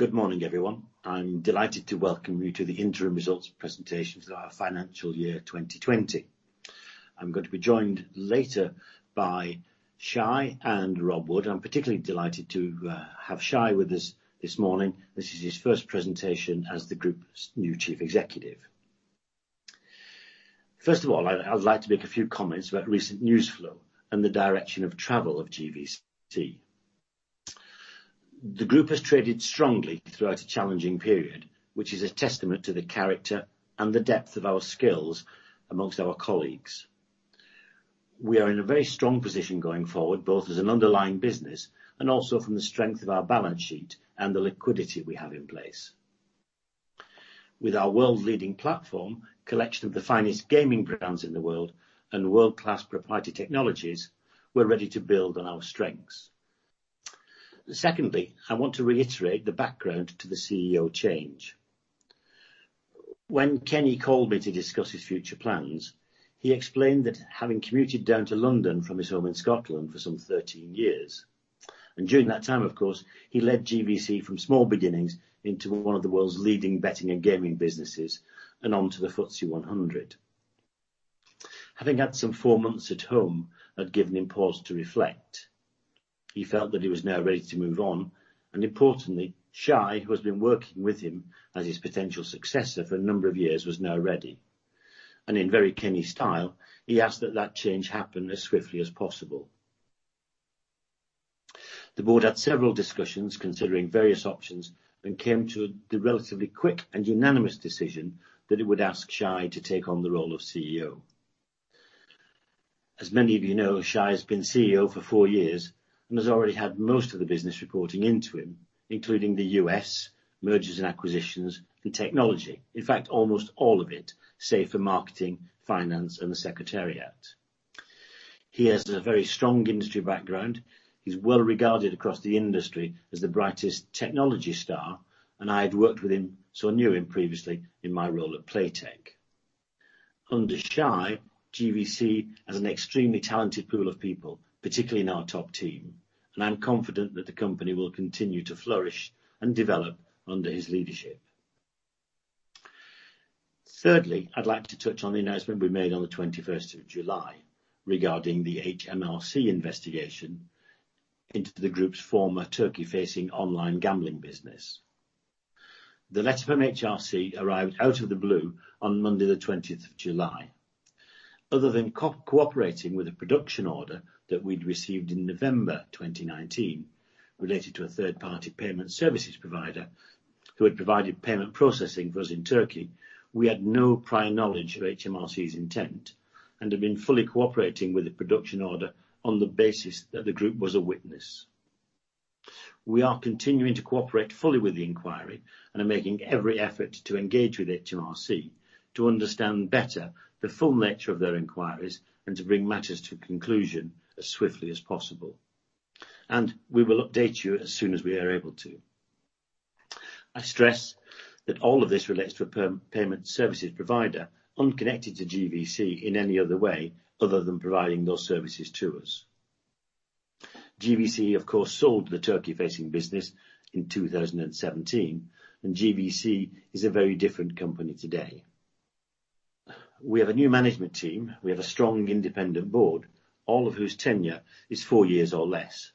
Good morning, everyone. I'm delighted to welcome you to the Interim Results Presentations of our financial year 2020. I'm going to be joined later by Shay and Rob Wood. I'm particularly delighted to have Shay with us this morning. This is his first presentation as the group's new Chief Executive. First of all, I'd like to make a few comments about recent news flow and the direction of travel of GVC. The group has traded strongly throughout a challenging period, which is a testament to the character and the depth of our skills amongst our colleagues. We are in a very strong position going forward, both as an underlying business and also from the strength of our balance sheet and the liquidity we have in place. With our world-leading platform, a collection of the finest gaming brands in the world, and world-class proprietary technologies, we're ready to build on our strengths. Secondly, I want to reiterate the background to the CEO change. When Kenny called me to discuss his future plans, he explained that having commuted down to London from his home in Scotland for some 13 years, and during that time, of course, he led GVC from small beginnings into one of the world's leading betting and gaming businesses and onto the FTSE 100. Having had some four months at home, that gave him pause to reflect. He felt that he was now ready to move on, and importantly, Shay, who has been working with him as his potential successor for a number of years, was now ready. And in very Kenny style, he asked that that change happen as swiftly as possible. The board had several discussions considering various options and came to the relatively quick and unanimous decision that it would ask Shay to take on the role of CEO. As many of you know, Shay has been CEO for four years and has already had most of the business reporting into him, including the U.S. mergers and acquisitions and technology. In fact, almost all of it, save for marketing, finance, and the secretariat. He has a very strong industry background. He's well regarded across the industry as the brightest technology star, and I had worked with him, so I knew him previously in my role at Playtech. Under Shay, GVC has an extremely talented pool of people, particularly in our top team, and I'm confident that the company will continue to flourish and develop under his leadership. Thirdly, I'd like to touch on the announcement we made on the 21st of July regarding the HMRC investigation into the group's former Turkey-facing online gambling business. The letter from HMRC arrived out of the blue on Monday, the 20th of July. Other than cooperating with a production order that we'd received in November 2019 related to a third-party payment services provider who had provided payment processing for us in Turkey, we had no prior knowledge of HMRC's intent and had been fully cooperating with the production order on the basis that the group was a witness. We are continuing to cooperate fully with the inquiry and are making every effort to engage with HMRC to understand better the full nature of their inquiries and to bring matters to conclusion as swiftly as possible. And we will update you as soon as we are able to. I stress that all of this relates to a payment services provider unconnected to GVC in any other way other than providing those services to us. GVC, of course, sold the Turkey-facing business in 2017, and GVC is a very different company today. We have a new management team. We have a strong independent board, all of whose tenure is four years or less.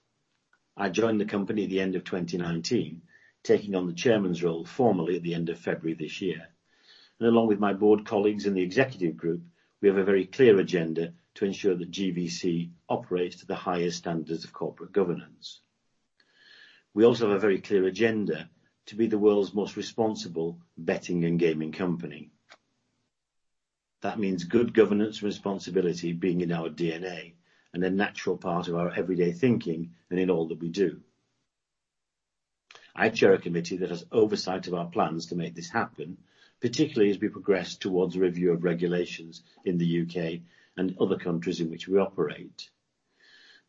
I joined the company at the end of 2019, taking on the Chairman's role formally at the end of February this year, and along with my board colleagues and the executive group, we have a very clear agenda to ensure that GVC operates to the highest standards of corporate governance. We also have a very clear agenda to be the world's most responsible betting and gaming company. That means good governance responsibility being in our DNA and a natural part of our everyday thinking and in all that we do. I chair a committee that has oversight of our plans to make this happen, particularly as we progress towards review of regulations in the UK and other countries in which we operate.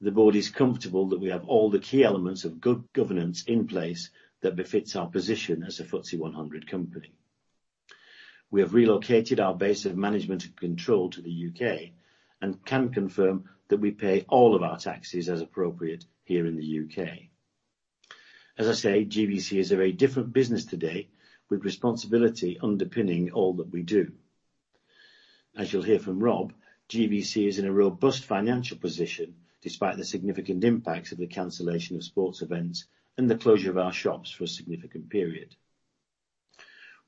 The board is comfortable that we have all the key elements of good governance in place that befits our position as a FTSE 100 company. We have relocated our base of management and control to the UK and can confirm that we pay all of our taxes as appropriate here in the UK. As I say, GVC is a very different business today with responsibility underpinning all that we do. As you'll hear from Rob, GVC is in a robust financial position despite the significant impacts of the cancellation of sports events and the closure of our shops for a significant period.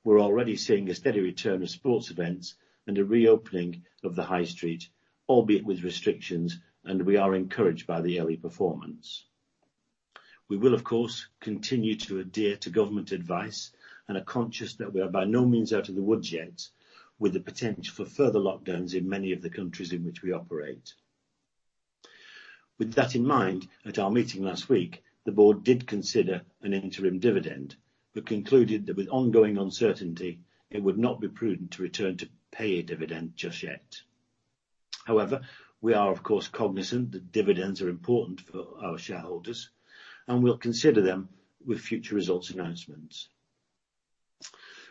We're already seeing a steady return of sports events and a reopening of the high street, albeit with restrictions, and we are encouraged by the early performance. We will, of course, continue to adhere to government advice and are conscious that we are by no means out of the woods yet with the potential for further lockdowns in many of the countries in which we operate. With that in mind, at our meeting last week, the board did consider an interim dividend but concluded that with ongoing uncertainty, it would not be prudent to return to pay a dividend just yet. However, we are, of course, cognizant that dividends are important for our shareholders and will consider them with future results announcements.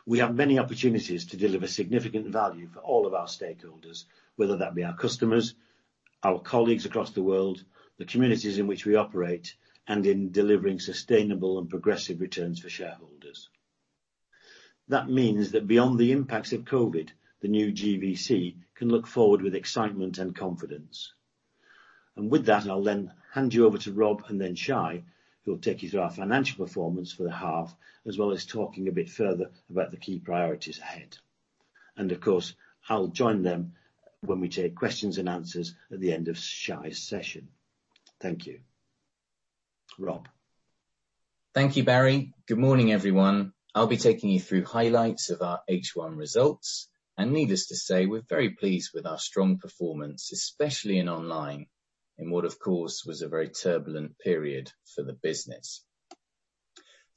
We have many opportunities to deliver significant value for all of our stakeholders, whether that be our customers, our colleagues across the world, the communities in which we operate, and in delivering sustainable and progressive returns for shareholders. That means that beyond the impacts of COVID, the new GVC can look forward with excitement and confidence. And with that, I'll then hand you over to Rob and then Shay, who will take you through our financial performance for the half, as well as talking a bit further about the key priorities ahead. And of course, I'll join them when we take questions and answers at the end of Shay's session. Thank you, Rob. Thank you, Barry. Good morning, everyone. I'll be taking you through highlights of our H1 results, and needless to say, we're very pleased with our strong performance, especially in online, in what, of course, was a very turbulent period for the business.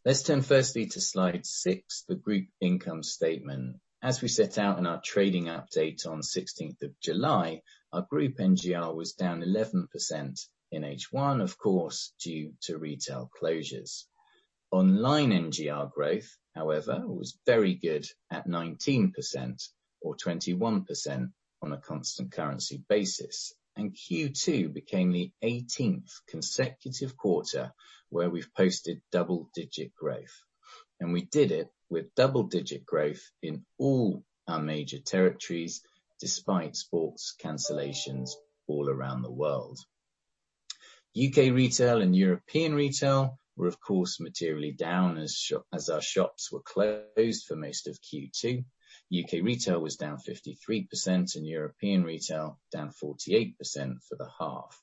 Let's turn firstly to slide six, the group income statement. As we set out in our trading update on 16th of July, our group NGR was down 11% in H1, of course, due to retail closures. Online NGR growth, however, was very good at 19% or 21% on a constant currency basis, and Q2 became the 18th consecutive quarter where we've posted double-digit growth, and we did it with double-digit growth in all our major territories despite sports cancellations all around the world. U.K. retail and European retail were, of course, materially down as our shops were closed for most of Q2. U.K. retail was down 53% and European retail down 48% for the half.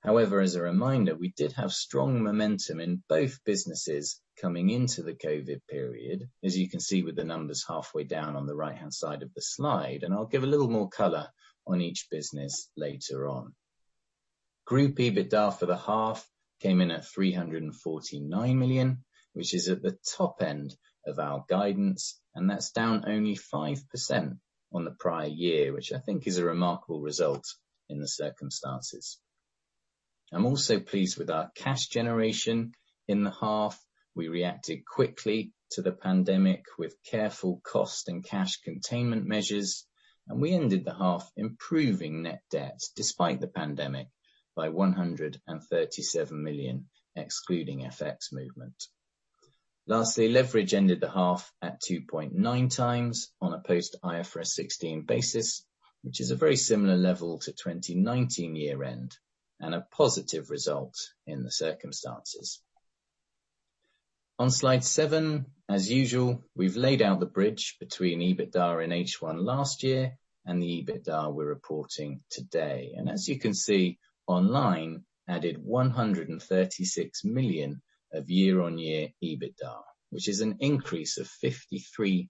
However, as a reminder, we did have strong momentum in both businesses coming into the COVID period, as you can see with the numbers halfway down on the right-hand side of the slide, and I'll give a little more color on each business later on. Group EBITDA for the half came in at 349 million, which is at the top end of our guidance, and that's down only 5% on the prior year, which I think is a remarkable result in the circumstances. I'm also pleased with our cash generation in the half. We reacted quickly to the pandemic with careful cost and cash containment measures, and we ended the half improving net debt despite the pandemic by 137 million, excluding FX movement. Lastly, leverage ended the half at 2.9 times on a post-IFRS 16 basis, which is a very similar level to 2019 year-end and a positive result in the circumstances. On slide seven, as usual, we've laid out the bridge between EBITDA in H1 last year and the EBITDA we're reporting today. And as you can see, online added 136 million of year-on-year EBITDA, which is an increase of 53%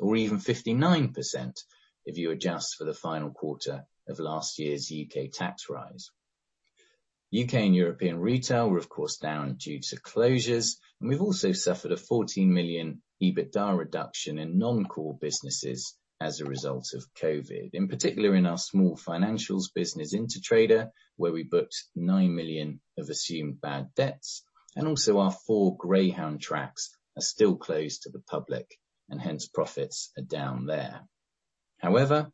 or even 59% if you adjust for the final quarter of last year's U.K. tax rise. U.K. and European retail were, of course, down due to closures, and we've also suffered a 14 million EBITDA reduction in non-core businesses as a result of COVID, in particular in our small financials business, Intertrader, where we booked 9 million of assumed bad debts. And also, our four Greyhound tracks are still closed to the public, and hence profits are down there. However,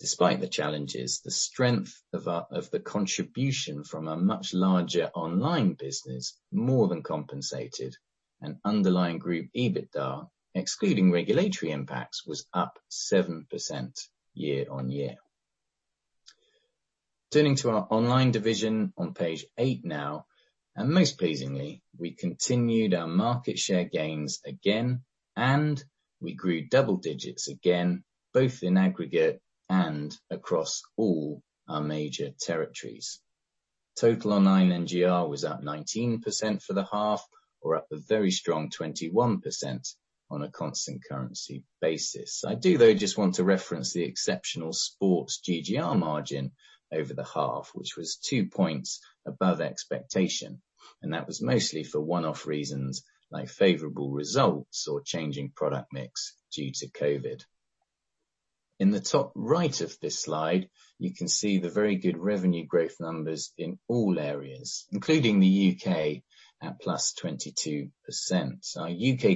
despite the challenges, the strength of the contribution from a much larger online business more than compensated, and underlying group EBITDA, excluding regulatory impacts, was up 7% year-on-year. Turning to our online division on page eight now, and most pleasingly, we continued our market share gains again, and we grew double digits again, both in aggregate and across all our major territories. Total online NGR was up 19% for the half, or up a very strong 21% on a constant currency basis. I do, though, just want to reference the exceptional sports GGR margin over the half, which was two points above expectation, and that was mostly for one-off reasons like favorable results or changing product mix due to COVID. In the top right of this slide, you can see the very good revenue growth numbers in all areas, including the U.K. at +22%. Our U.K.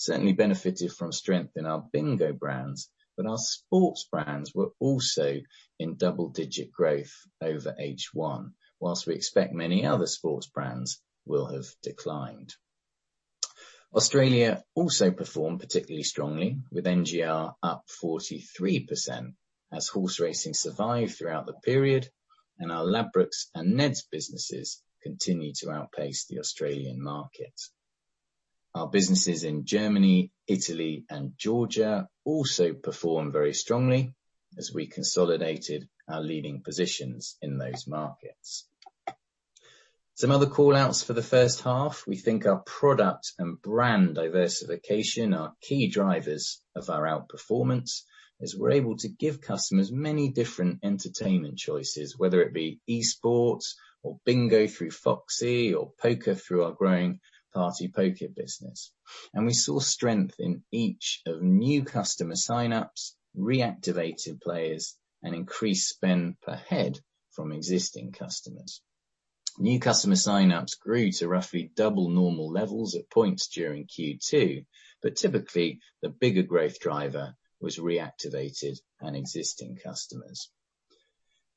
growth certainly benefited from strength in our bingo brands, but our sports brands were also in double-digit growth over H1, while we expect many other sports brands will have declined. Australia also performed particularly strongly, with NGR up 43% as horse racing survived throughout the period, and our Ladbrokes and Neds businesses continued to outpace the Australian market. Our businesses in Germany, Italy, and Georgia also performed very strongly as we consolidated our leading positions in those markets. Some other callouts for the first half: we think our product and brand diversification are key drivers of our outperformance as we're able to give customers many different entertainment choices, whether it be esports or bingo through Foxy or poker through our growing partypoker business, and we saw strength in each of new customer signups, reactivated players, and increased spend per head from existing customers. New customer signups grew to roughly double normal levels at points during Q2, but typically, the bigger growth driver was reactivated and existing customers.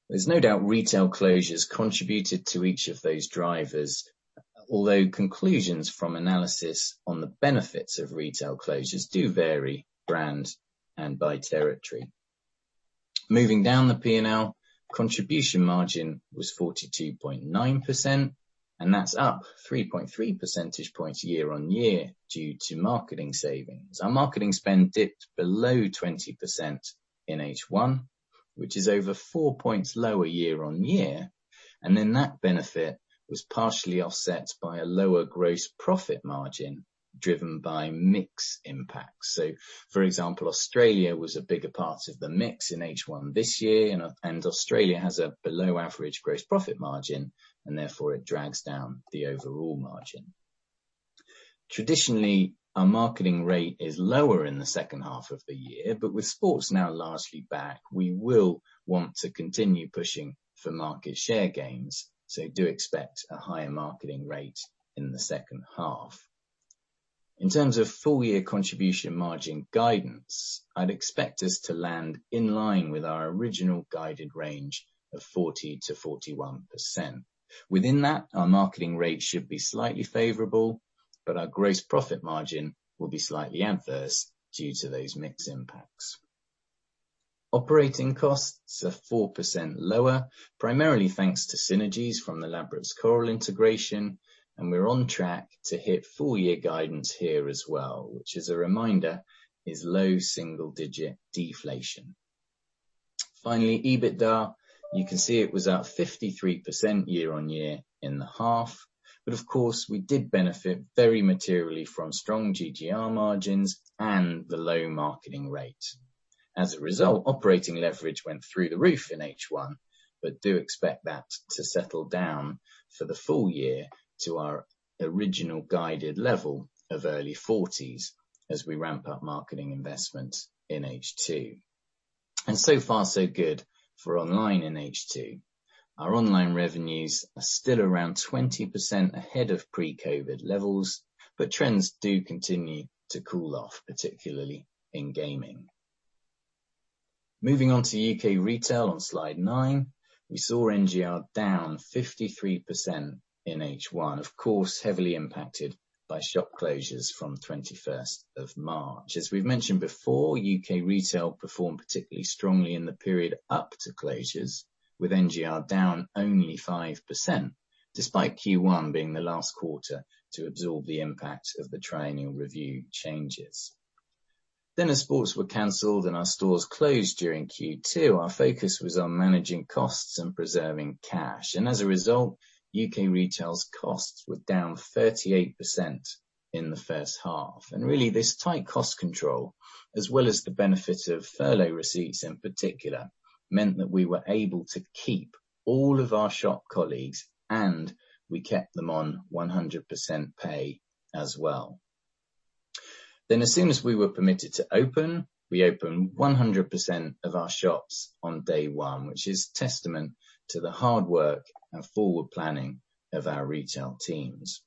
There's no doubt retail closures contributed to each of those drivers, although conclusions from analysis on the benefits of retail closures do vary brand and by territory. Moving down the P&L, contribution margin was 42.9%, and that's up 3.3 percentage points year-on-year due to marketing savings. Our marketing spend dipped below 20% in H1, which is over four points lower year-on-year, and then that benefit was partially offset by a lower gross profit margin driven by mix impacts, so for example, Australia was a bigger part of the mix in H1 this year, and Australia has a below-average gross profit margin, and therefore, it drags down the overall margin. Traditionally, our marketing rate is lower in the second half of the year, but with sports now largely back, we will want to continue pushing for market share gains, so do expect a higher marketing rate in the second half. In terms of full-year contribution margin guidance, I'd expect us to land in line with our original guided range of 40%-41%. Within that, our marketing rate should be slightly favorable, but our gross profit margin will be slightly adverse due to those mix impacts. Operating costs are 4% lower, primarily thanks to synergies from the Ladbrokes Coral integration, and we're on track to hit full-year guidance here as well, which, as a reminder, is low single-digit deflation. Finally, EBITDA, you can see it was up 53% year-on-year in the half, but of course, we did benefit very materially from strong GGR margins and the low marketing rate. As a result, operating leverage went through the roof in H1, but do expect that to settle down for the full year to our original guided level of early 40s as we ramp up marketing investment in H2. And so far, so good for online in H2. Our online revenues are still around 20% ahead of pre-COVID levels, but trends do continue to cool off, particularly in gaming. Moving on to U.K. retail on slide nine, we saw NGR down 53% in H1, of course, heavily impacted by shop closures from 21st of March. As we've mentioned before, U.K. retail performed particularly strongly in the period up to closures, with NGR down only 5%, despite Q1 being the last quarter to absorb the impact of the Triennial Review changes. Then, as sports were canceled and our stores closed during Q2, our focus was on managing costs and preserving cash. As a result, U.K. retail's costs were down 38% in the first half. Really, this tight cost control, as well as the benefit of furlough receipts in particular, meant that we were able to keep all of our shop colleagues, and we kept them on 100% pay as well. As soon as we were permitted to open, we opened 100% of our shops on day one, which is testament to the hard work and forward planning of our retail teams.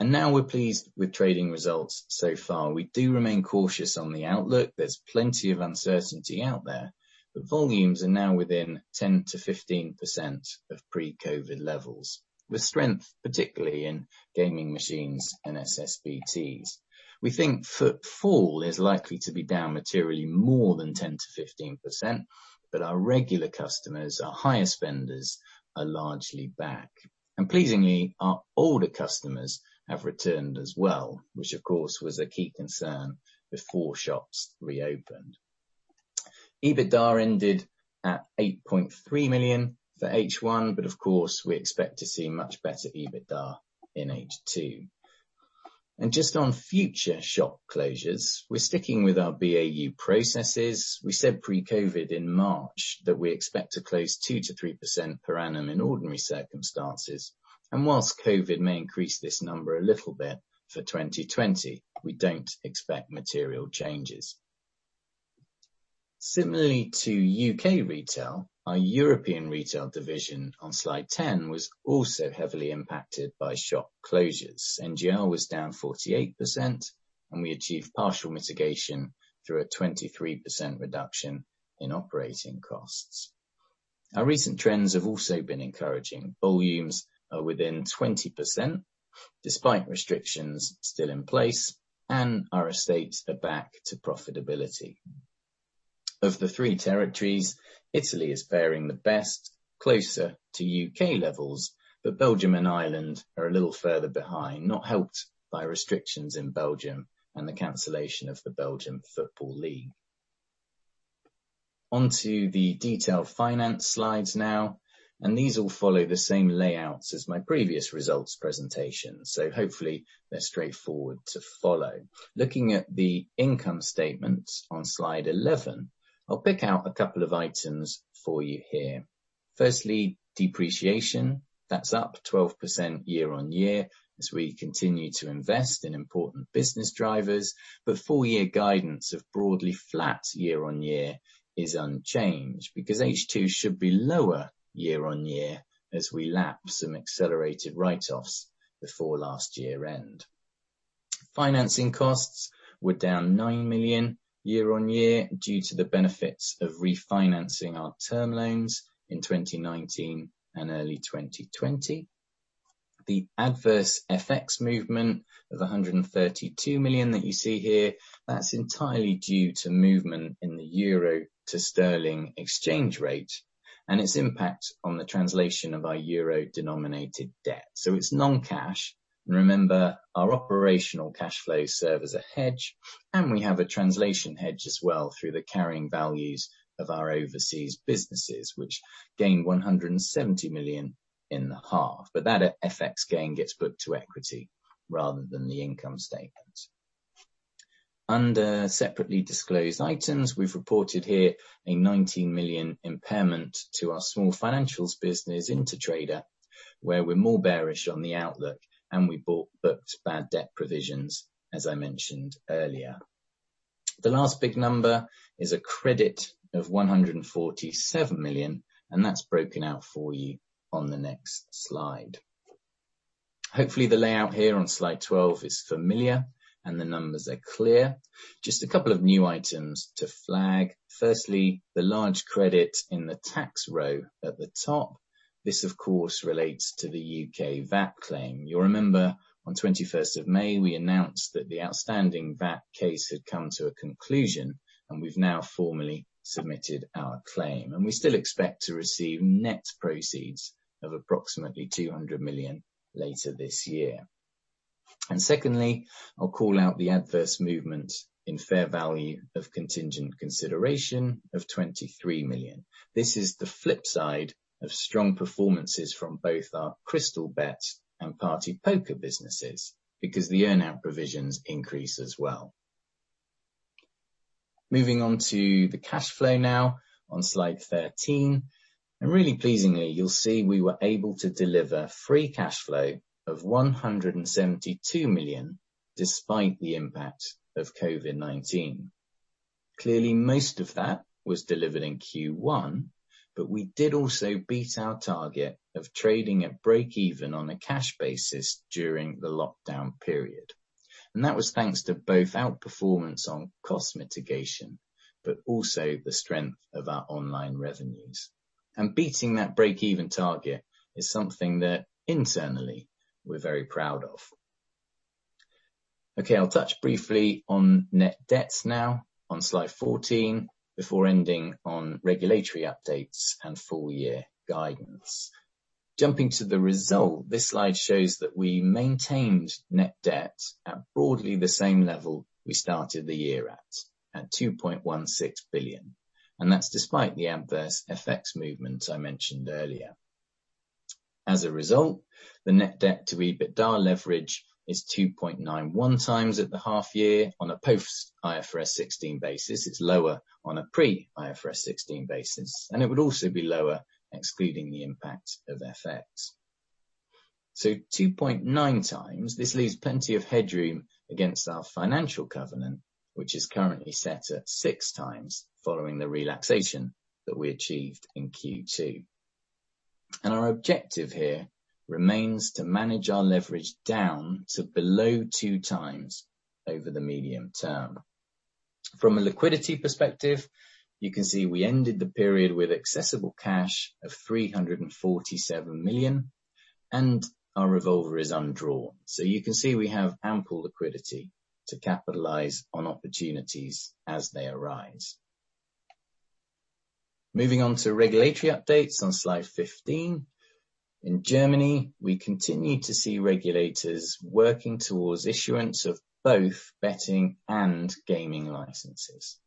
Now we're pleased with trading results so far. We do remain cautious on the outlook. There's plenty of uncertainty out there, but volumes are now within 10%-15% of pre-COVID levels, with strength particularly in gaming machines and SSBTs. We think footfall is likely to be down materially more than 10%-15%, but our regular customers, our higher spenders, are largely back. Pleasingly, our older customers have returned as well, which, of course, was a key concern before shops reopened. EBITDA ended at 8.3 million for H1, but of course, we expect to see much better EBITDA in H2. Just on future shop closures, we're sticking with our BAU processes. We said pre-COVID in March that we expect to close 2%-3% per annum in ordinary circumstances. Whilst COVID may increase this number a little bit for 2020, we don't expect material changes. Similarly to U.K. retail, our European retail division on slide 10 was also heavily impacted by shop closures. NGR was down 48%, and we achieved partial mitigation through a 23% reduction in operating costs. Our recent trends have also been encouraging. Volumes are within 20%, despite restrictions still in place, and our estates are back to profitability. Of the three territories, Italy is faring the best, closer to U.K. levels, but Belgium and Ireland are a little further behind, not helped by restrictions in Belgium and the cancellation of the Belgian Football League. Onto the detailed finance slides now, and these will follow the same layouts as my previous results presentation, so hopefully, they're straightforward to follow. Looking at the income statements on slide 11, I'll pick out a couple of items for you here. Firstly, depreciation. That's up 12% year-on-year as we continue to invest in important business drivers, but full-year guidance of broadly flat year-on-year is unchanged because H2 should be lower year-on-year as we lap some accelerated write-offs before last year-end. Financing costs were down 9 million year-on-year due to the benefits of refinancing our term loans in 2019 and early 2020. The adverse FX movement of 132 million that you see here, that's entirely due to movement in the euro to sterling exchange rate and its impact on the translation of our euro-denominated debt. So it's non-cash. And remember, our operational cash flows serve as a hedge, and we have a translation hedge as well through the carrying values of our overseas businesses, which gained 170 million in the half, but that FX gain gets booked to equity rather than the income statement. Under separately disclosed items, we've reported here a 19 million impairment to our small financials business, Intertrader, where we're more bearish on the outlook, and we booked bad debt provisions, as I mentioned earlier. The last big number is a credit of 147 million, and that's broken out for you on the next slide. Hopefully, the layout here on slide 12 is familiar, and the numbers are clear. Just a couple of new items to flag. Firstly, the large credit in the tax row at the top. This, of course, relates to the U.K. VAT claim. You'll remember on 21st of May, we announced that the outstanding VAT case had come to a conclusion, and we've now formally submitted our claim. And we still expect to receive net proceeds of approximately 200 million later this year. And secondly, I'll call out the adverse movement in fair value of contingent consideration of 23 million. This is the flip side of strong performances from both our Crystalbet and partypoker businesses because the earnout provisions increase as well. Moving on to the cash flow now on slide 13. And really pleasingly, you'll see we were able to deliver free cash flow of 172 million despite the impact of COVID-19. Clearly, most of that was delivered in Q1, but we did also beat our target of trading at break-even on a cash basis during the lockdown period, and that was thanks to both outperformance on cost mitigation, but also the strength of our online revenues, and beating that break-even target is something that internally we're very proud of. Okay, I'll touch briefly on net debts now on slide 14 before ending on regulatory updates and full-year guidance. Jumping to the result, this slide shows that we maintained net debt at broadly the same level we started the year at, at 2.16 billion, and that's despite the adverse FX movement I mentioned earlier. As a result, the net debt to EBITDA leverage is 2.91 times at the half-year on a post-IFRS 16 basis. It's lower on a pre-IFRS 16 basis, and it would also be lower excluding the impact of FX. 2.9 times, this leaves plenty of headroom against our financial covenant, which is currently set at six times following the relaxation that we achieved in Q2. Our objective here remains to manage our leverage down to below two times over the medium term. From a liquidity perspective, you can see we ended the period with accessible cash of 347 million, and our revolver is undrawn. You can see we have ample liquidity to capitalize on opportunities as they arise. Moving on to regulatory updates on slide 15. In Germany, we continue to see regulators working towards issuance of both betting and gaming licenses.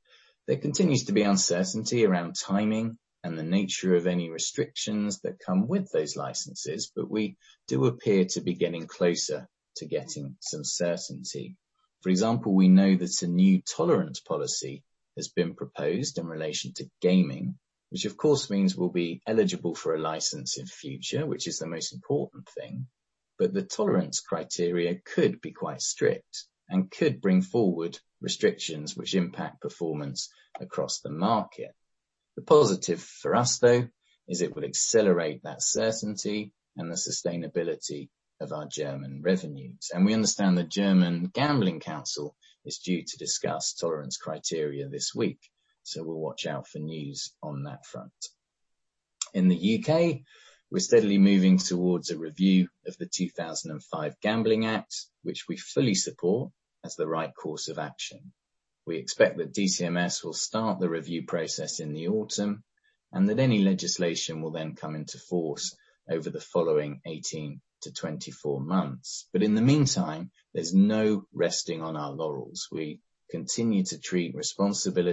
There continues to be uncertainty around timing and the nature of any restrictions that come with those licenses, but we do appear to be getting closer to getting some certainty. For example, we know that a new tolerance policy has been proposed in relation to gaming, which of course means we'll be eligible for a license in future, which is the most important thing, but the tolerance criteria could be quite strict and could bring forward restrictions which impact performance across the market. The positive for us, though, is it will accelerate that certainty and the sustainability of our German revenues. And we understand the German Gambling Council is due to discuss tolerance criteria this week, so we'll watch out for news on that front. In the U.K., we're steadily moving towards a review of the 2005 Gambling Act, which we fully support as the right course of action. We expect that DCMS will start the review process in the autumn and that any legislation will then come into force over the following 18 to 24 months. But in the meantime, there's no resting on our laurels. We continue to treat responsible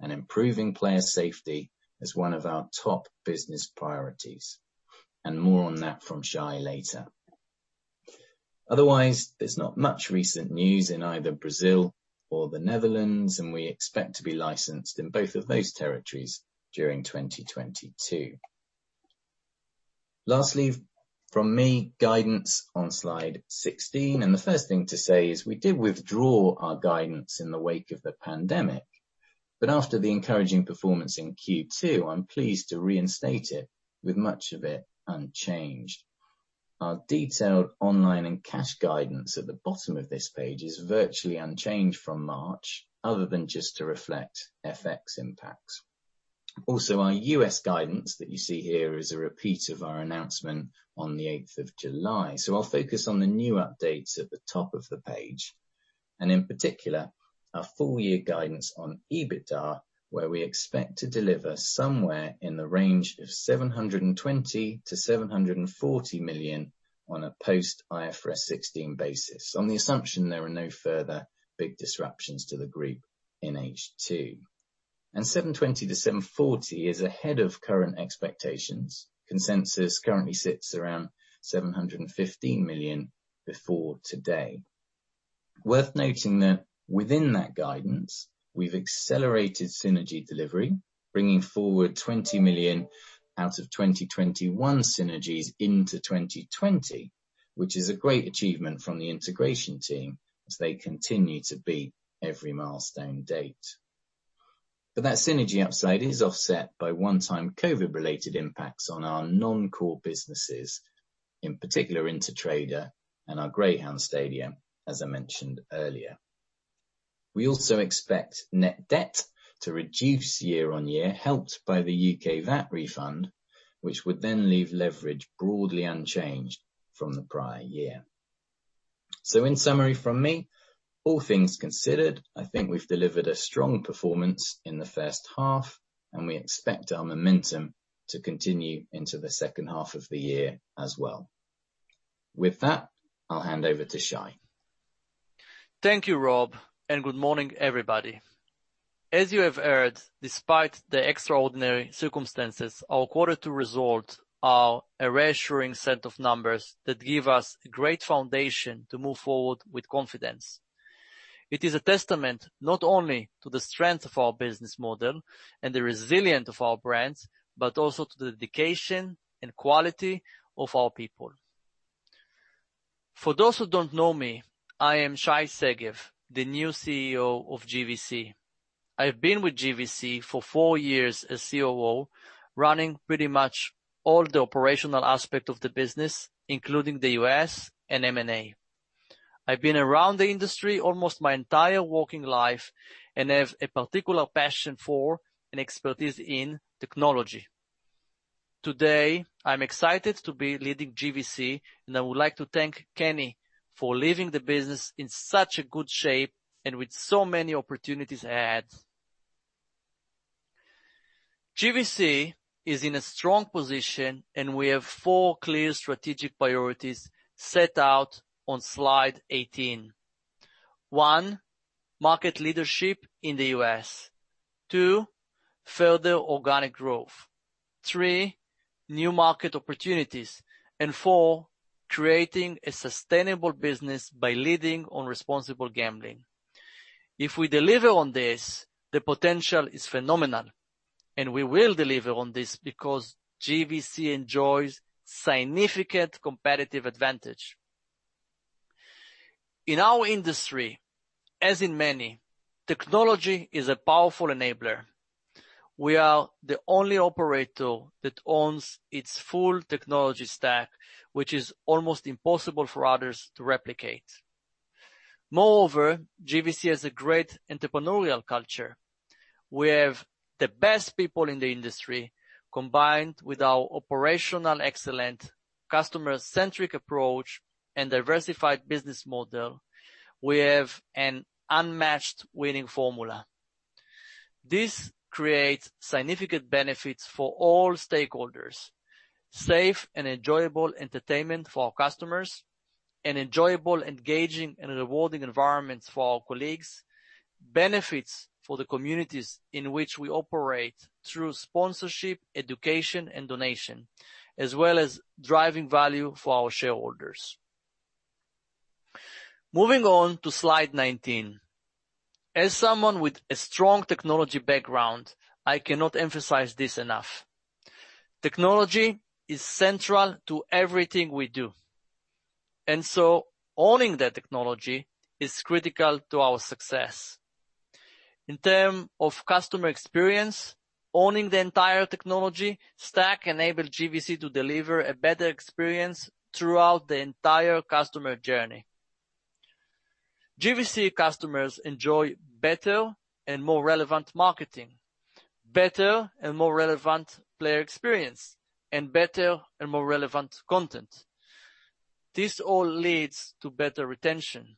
gaming and improving player safety as one of our top business priorities, and more on that from Shay later. Otherwise, there's not much recent news in either Brazil or the Netherlands, and we expect to be licensed in both of those territories during 2022. Lastly, from me, guidance on slide 16. And the first thing to say is we did withdraw our guidance in the wake of the pandemic, but after the encouraging performance in Q2, I'm pleased to reinstate it with much of it unchanged. Our detailed online and retail guidance at the bottom of this page is virtually unchanged from March, other than just to reflect FX impacts. Also, our U.S. guidance that you see here is a repeat of our announcement on the 8th of July. I'll focus on the new updates at the top of the page. In particular, our full-year guidance on EBITDA, where we expect to deliver somewhere in the range of 720 million-740 million on a post-IFRS 16 basis, on the assumption there are no further big disruptions to the group in H2. 720 to 740 is ahead of current expectations. Consensus currently sits around 715 million before today. Worth noting that within that guidance, we've accelerated synergy delivery, bringing forward 20 million out of 2021 synergies into 2020, which is a great achievement from the integration team as they continue to beat every milestone date. That synergy upside is offset by one-time COVID-related impacts on our non-core businesses, in particular Intertrader and our Greyhound Stadium, as I mentioned earlier. We also expect net debt to reduce year-on-year, helped by the U.K. VAT refund, which would then leave leverage broadly unchanged from the prior year. So in summary from me, all things considered, I think we've delivered a strong performance in the first half, and we expect our momentum to continue into the second half of the year as well. With that, I'll hand over to Shay. Thank you, Rob, and good morning, everybody. As you have heard, despite the extraordinary circumstances, our quarter two results are a reassuring set of numbers that give us a great foundation to move forward with confidence. It is a testament not only to the strength of our business model and the resilience of our brands, but also to the dedication and quality of our people. For those who don't know me, I am Shay Segev, the new CEO of GVC. I have been with GVC for four years as COO, running pretty much all the operational aspects of the business, including the U.S. and M&A. I've been around the industry almost my entire working life and have a particular passion for and expertise in technology. Today, I'm excited to be leading GVC, and I would like to thank Kenny for leaving the business in such good shape and with so many opportunities ahead. GVC is in a strong position, and we have four clear strategic priorities set out on slide 18. One, market leadership in the U.S. Two, further organic growth. Three, new market opportunities. And four, creating a sustainable business by leading on responsible gambling. If we deliver on this, the potential is phenomenal, and we will deliver on this because GVC enjoys significant competitive advantage. In our industry, as in many, technology is a powerful enabler. We are the only operator that owns its full technology stack, which is almost impossible for others to replicate. Moreover, GVC has a great entrepreneurial culture. We have the best people in the industry. Combined with our operational excellence customer-centric approach and diversified business model, we have an unmatched winning formula. This creates significant benefits for all stakeholders: safe and enjoyable entertainment for our customers, an enjoyable, engaging, and rewarding environment for our colleagues, benefits for the communities in which we operate through sponsorship, education, and donation, as well as driving value for our shareholders. Moving on to slide 19. As someone with a strong technology background, I cannot emphasize this enough. Technology is central to everything we do, and so owning that technology is critical to our success. In terms of customer experience, owning the entire technology stack enables GVC to deliver a better experience throughout the entire customer journey. GVC customers enjoy better and more relevant marketing, better and more relevant player experience, and better and more relevant content. This all leads to better retention.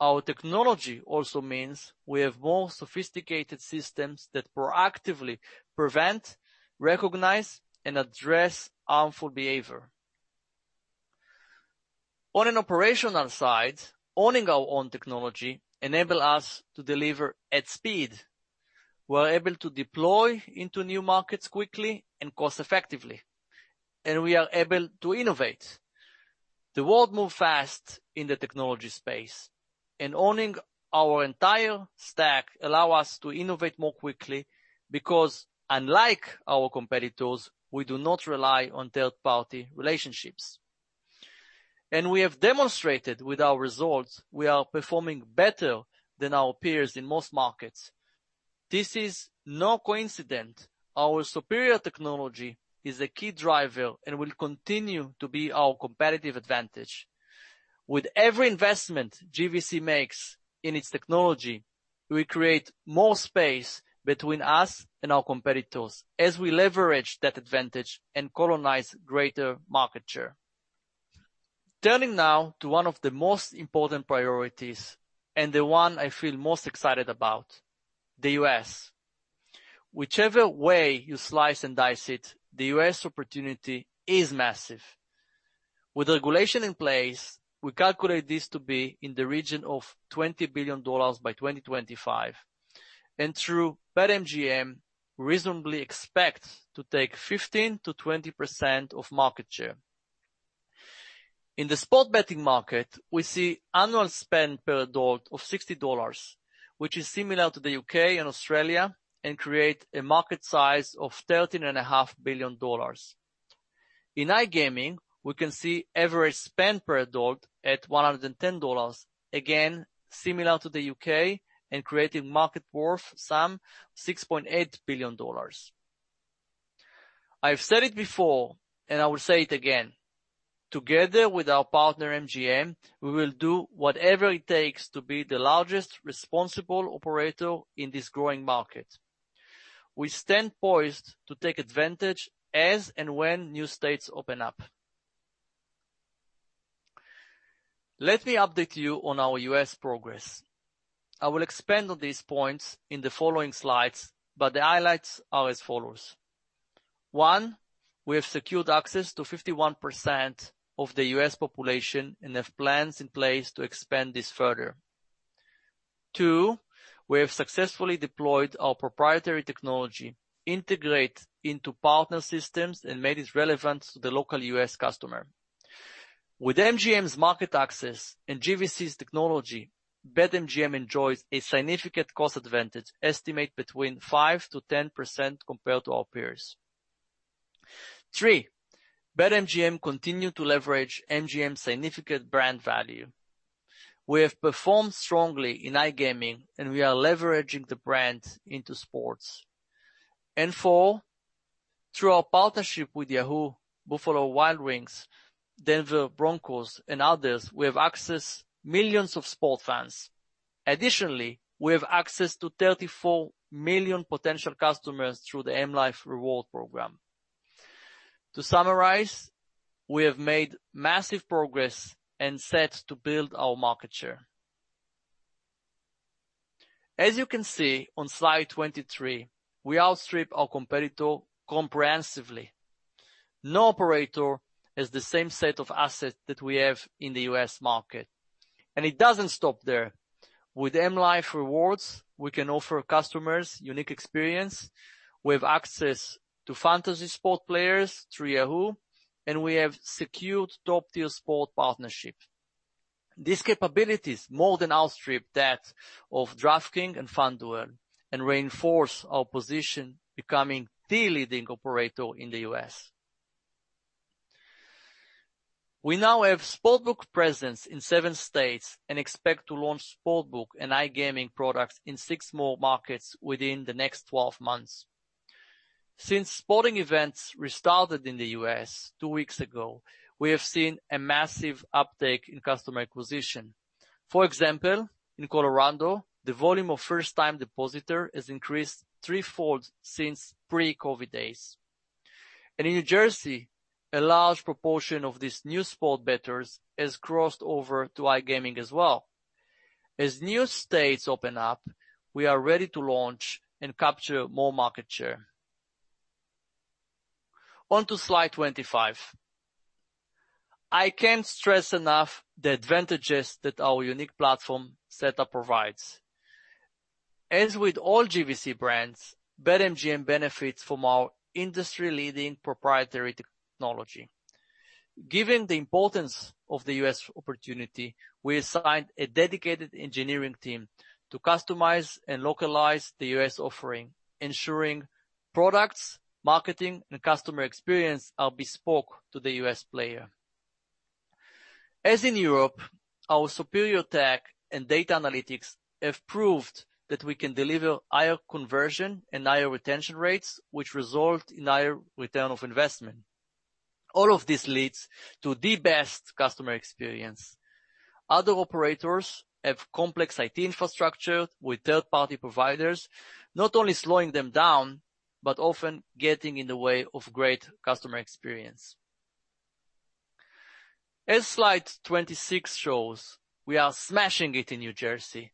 Our technology also means we have more sophisticated systems that proactively prevent, recognize, and address harmful behavior. On an operational side, owning our own technology enables us to deliver at speed. We're able to deploy into new markets quickly and cost-effectively, and we are able to innovate. The world moves fast in the technology space, and owning our entire stack allows us to innovate more quickly because, unlike our competitors, we do not rely on third-party relationships, and we have demonstrated with our results we are performing better than our peers in most markets. This is no coincidence. Our superior technology is a key driver and will continue to be our competitive advantage. With every investment GVC makes in its technology, we create more space between us and our competitors as we leverage that advantage and colonize greater market share. Turning now to one of the most important priorities and the one I feel most excited about, the U.S. Whichever way you slice and dice it, the U.S. opportunity is massive. With regulation in place, we calculate this to be in the region of $20 billion by 2025, and through BetMGM, we reasonably expect to take 15%-20% of market share. In the sports betting market, we see annual spend per adult of $60, which is similar to the U.K. and Australia and creates a market size of $13.5 billion. In iGaming, we can see average spend per adult at $110, again similar to the U.K. and creating market worth some $6.8 billion. I've said it before, and I will say it again. Together with our partner MGM, we will do whatever it takes to be the largest responsible operator in this growing market. We stand poised to take advantage as and when new states open up. Let me update you on our U.S. progress. I will expand on these points in the following slides, but the highlights are as follows. One, we have secured access to 51% of the U.S. population and have plans in place to expand this further. Two, we have successfully deployed our proprietary technology, integrated into partner systems, and made it relevant to the local U.S. customer. With MGM's market access and GVC's technology, BetMGM enjoys a significant cost advantage estimated between 5%-10% compared to our peers. Three, BetMGM continues to leverage MGM's significant brand value. We have performed strongly in iGaming, and we are leveraging the brand into sports. And four, through our partnership with Yahoo, Buffalo Wild Wings, Denver Broncos, and others, we have access to millions of sports fans. Additionally, we have access to 34 million potential customers through the M life Reward program. To summarize, we have made massive progress and set to build our market share. As you can see on slide 23, we outstrip our competitor comprehensively. No operator has the same set of assets that we have in the U.S. market. And it doesn't stop there. With M life Rewards, we can offer customers unique experience. We have access to fantasy sport players through Yahoo, and we have secured top-tier sport partnerships. These capabilities more than outstrip that of DraftKings and FanDuel and reinforce our position, becoming the leading operator in the U.S. We now have sportsbook presence in seven states and expect to launch sportsbook and iGaming products in six more markets within the next 12 months. Since sporting events restarted in the U.S. two weeks ago, we have seen a massive uptake in customer acquisition. For example, in Colorado, the volume of first-time depositors has increased threefold since pre-COVID days, and in New Jersey, a large proportion of these new sport bettors has crossed over to iGaming as well. As new states open up, we are ready to launch and capture more market share. On to slide 25. I can't stress enough the advantages that our unique platform setup provides. As with all GVC brands, BetMGM benefits from our industry-leading proprietary technology. Given the importance of the U.S. opportunity, we assigned a dedicated engineering team to customize and localize the U.S. offering, ensuring products, marketing, and customer experience are bespoke to the U.S. player. As in Europe, our superior tech and data analytics have proved that we can deliver higher conversion and higher retention rates, which result in higher return on investment. All of this leads to the best customer experience. Other operators have complex IT infrastructure with third-party providers, not only slowing them down, but often getting in the way of great customer experience. As slide 26 shows, we are smashing it in New Jersey.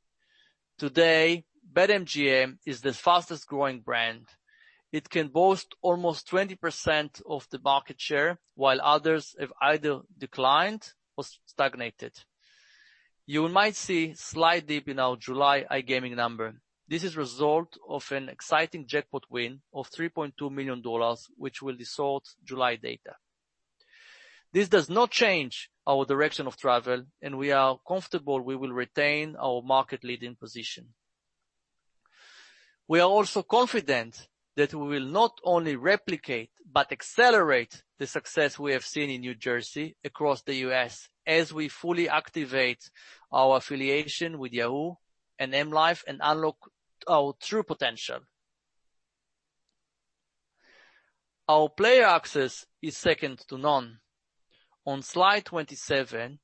Today, BetMGM is the fastest-growing brand. It can boast almost 20% of the market share, while others have either declined or stagnated. You might see a slight dip in our July iGaming number. This is the result of an exciting jackpot win of $3.2 million, which will result in July data. This does not change our direction of travel, and we are comfortable we will retain our market-leading position. We are also confident that we will not only replicate but accelerate the success we have seen in New Jersey across the U.S. as we fully activate our affiliation with Yahoo and M life and unlock our true potential. Our player access is second to none. On slide 27,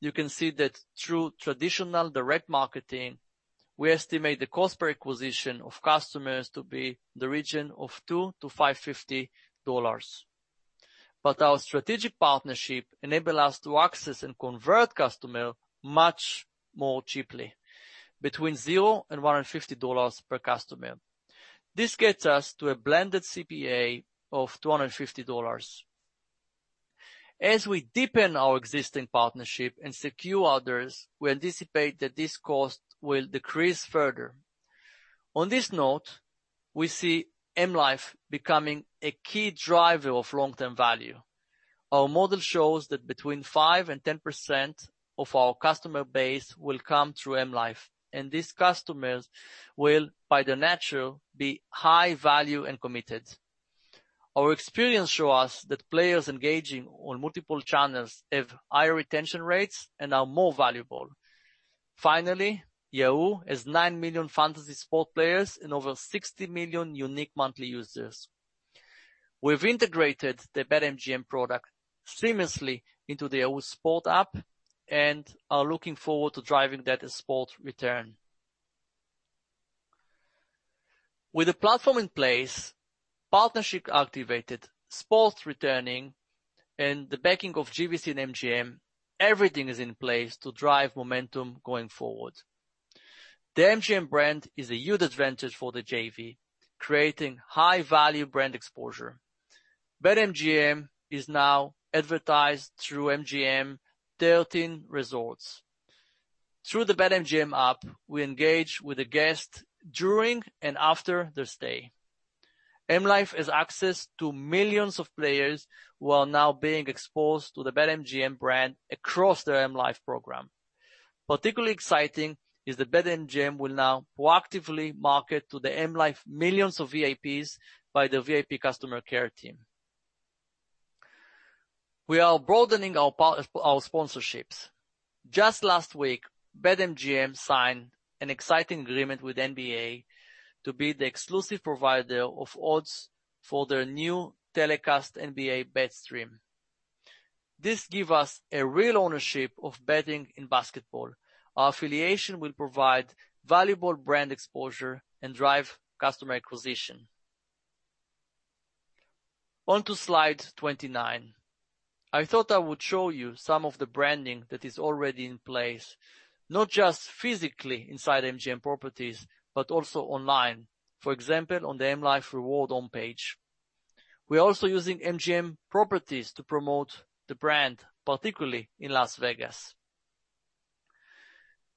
you can see that through traditional direct marketing, we estimate the cost per acquisition of customers to be in the region of $2-$550. But our strategic partnership enables us to access and convert customers much more cheaply, between $0-$150 per customer. This gets us to a blended CPA of $250. As we deepen our existing partnership and secure others, we anticipate that this cost will decrease further. On this note, we see M life becoming a key driver of long-term value. Our model shows that between 5% and 10% of our customer base will come through M life, and these customers will, by their nature, be high-value and committed. Our experience shows us that players engaging on multiple channels have higher retention rates and are more valuable. Finally, Yahoo has 9 million fantasy sports players and over 60 million unique monthly users. We've integrated the BetMGM product seamlessly into the Yahoo Sports app and are looking forward to driving that sports return. With the platform in place, partnership activated, sports returning, and the backing of GVC and MGM, everything is in place to drive momentum going forward. The MGM brand is a huge advantage for the JV, creating high-value brand exposure. BetMGM is now advertised through MGM's 13 resorts. Through the BetMGM app, we engage with the guests during and after their stay. M life has access to millions of players while now being exposed to the BetMGM brand across their M life program. Particularly exciting is that BetMGM will now proactively market to the M life millions of VIPs by the VIP customer care team. We are broadening our sponsorships. Just last week, BetMGM signed an exciting agreement with NBA to be the exclusive provider of odds for their new NBA BetStream. This gives us a real ownership of betting in basketball. Our affiliation will provide valuable brand exposure and drive customer acquisition. On to slide 29. I thought I would show you some of the branding that is already in place, not just physically inside MGM properties, but also online, for example, on the M life Rewards homepage. We are also using MGM properties to promote the brand, particularly in Las Vegas.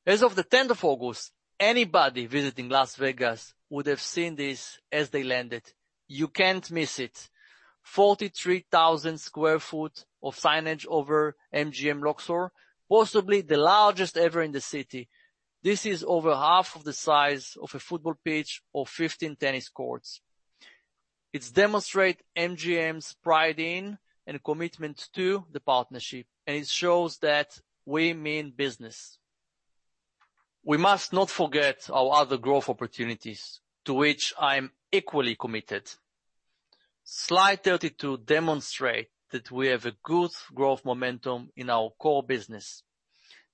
As of the 10th of August, anybody visiting Las Vegas would have seen this as they landed. You can't miss it. 43,000 sq ft of signage over MGM Luxor, possibly the largest ever in the city. This is over half of the size of a football pitch or 15 tennis courts. It demonstrates MGM's pride in and commitment to the partnership, and it shows that we mean business. We must not forget our other growth opportunities, to which I'm equally committed. Slide 32 demonstrates that we have a good growth momentum in our core business.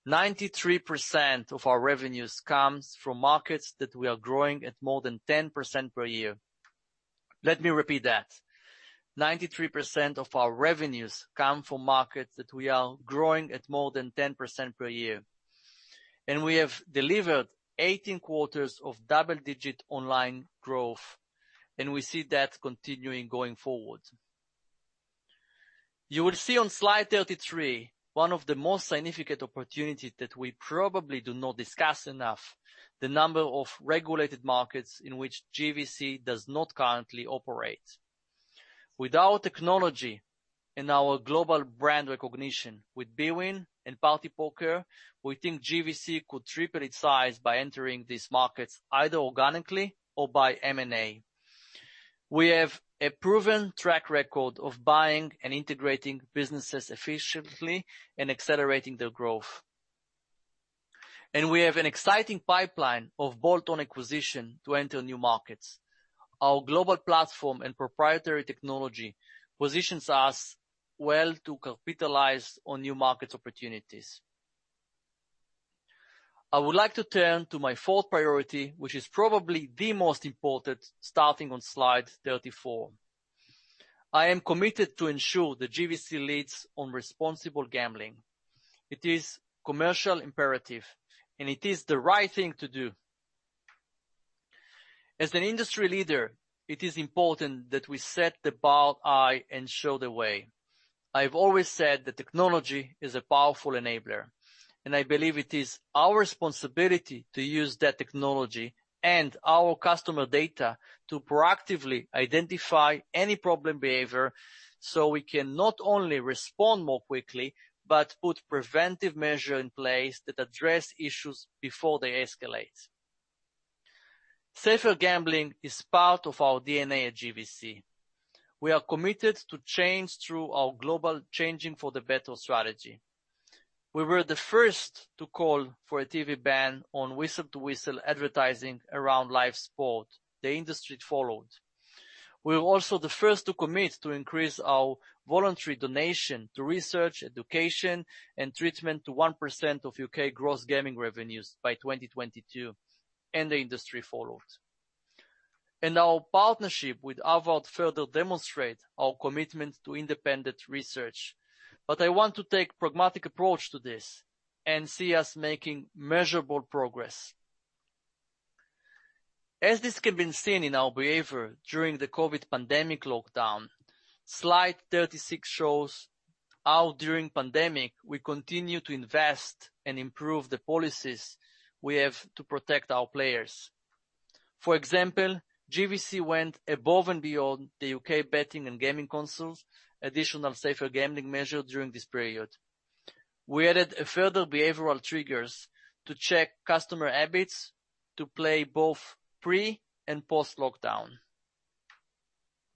93% of our revenues come from markets that we are growing at more than 10% per year. Let me repeat that. 93% of our revenues come from markets that we are growing at more than 10% per year. We have delivered 18 quarters of double-digit online growth, and we see that continuing going forward. You will see on slide 33 one of the most significant opportunities that we probably do not discuss enough: the number of regulated markets in which GVC does not currently operate. Without technology and our global brand recognition with bwin and partypoker, we think GVC could triple its size by entering these markets either organically or by M&A. We have a proven track record of buying and integrating businesses efficiently and accelerating their growth. And we have an exciting pipeline of bolt-on acquisition to enter new markets. Our global platform and proprietary technology positions us well to capitalize on new market opportunities. I would like to turn to my fourth priority, which is probably the most important, starting on slide 34. I am committed to ensure that GVC leads on responsible gambling. It is a commercial imperative, and it is the right thing to do. As an industry leader, it is important that we set the boundary and show the way. I have always said that technology is a powerful enabler, and I believe it is our responsibility to use that technology and our customer data to proactively identify any problem behavior so we can not only respond more quickly, but put preventive measures in place that address issues before they escalate. Safer gambling is part of our DNA at GVC. We are committed to change through our global changing-for-the-better strategy. We were the first to call for a TV ban on whistle-to-whistle advertising around live sport. The industry followed. We were also the first to commit to increase our voluntary donation to research, education, and treatment to 1% of U.K. gross gambling revenues by 2022, and the industry followed. Our partnership with Harvard further demonstrates our commitment to independent research. I want to take a pragmatic approach to this and see us making measurable progress. As this can be seen in our behavior during the COVID pandemic lockdown, slide 36 shows how during the pandemic, we continue to invest and improve the policies we have to protect our players. For example, GVC went above and beyond the U.K. Betting and Gaming Council additional safer gambling measures during this period. We added further behavioral triggers to check customer habits to play both pre and post-lockdown.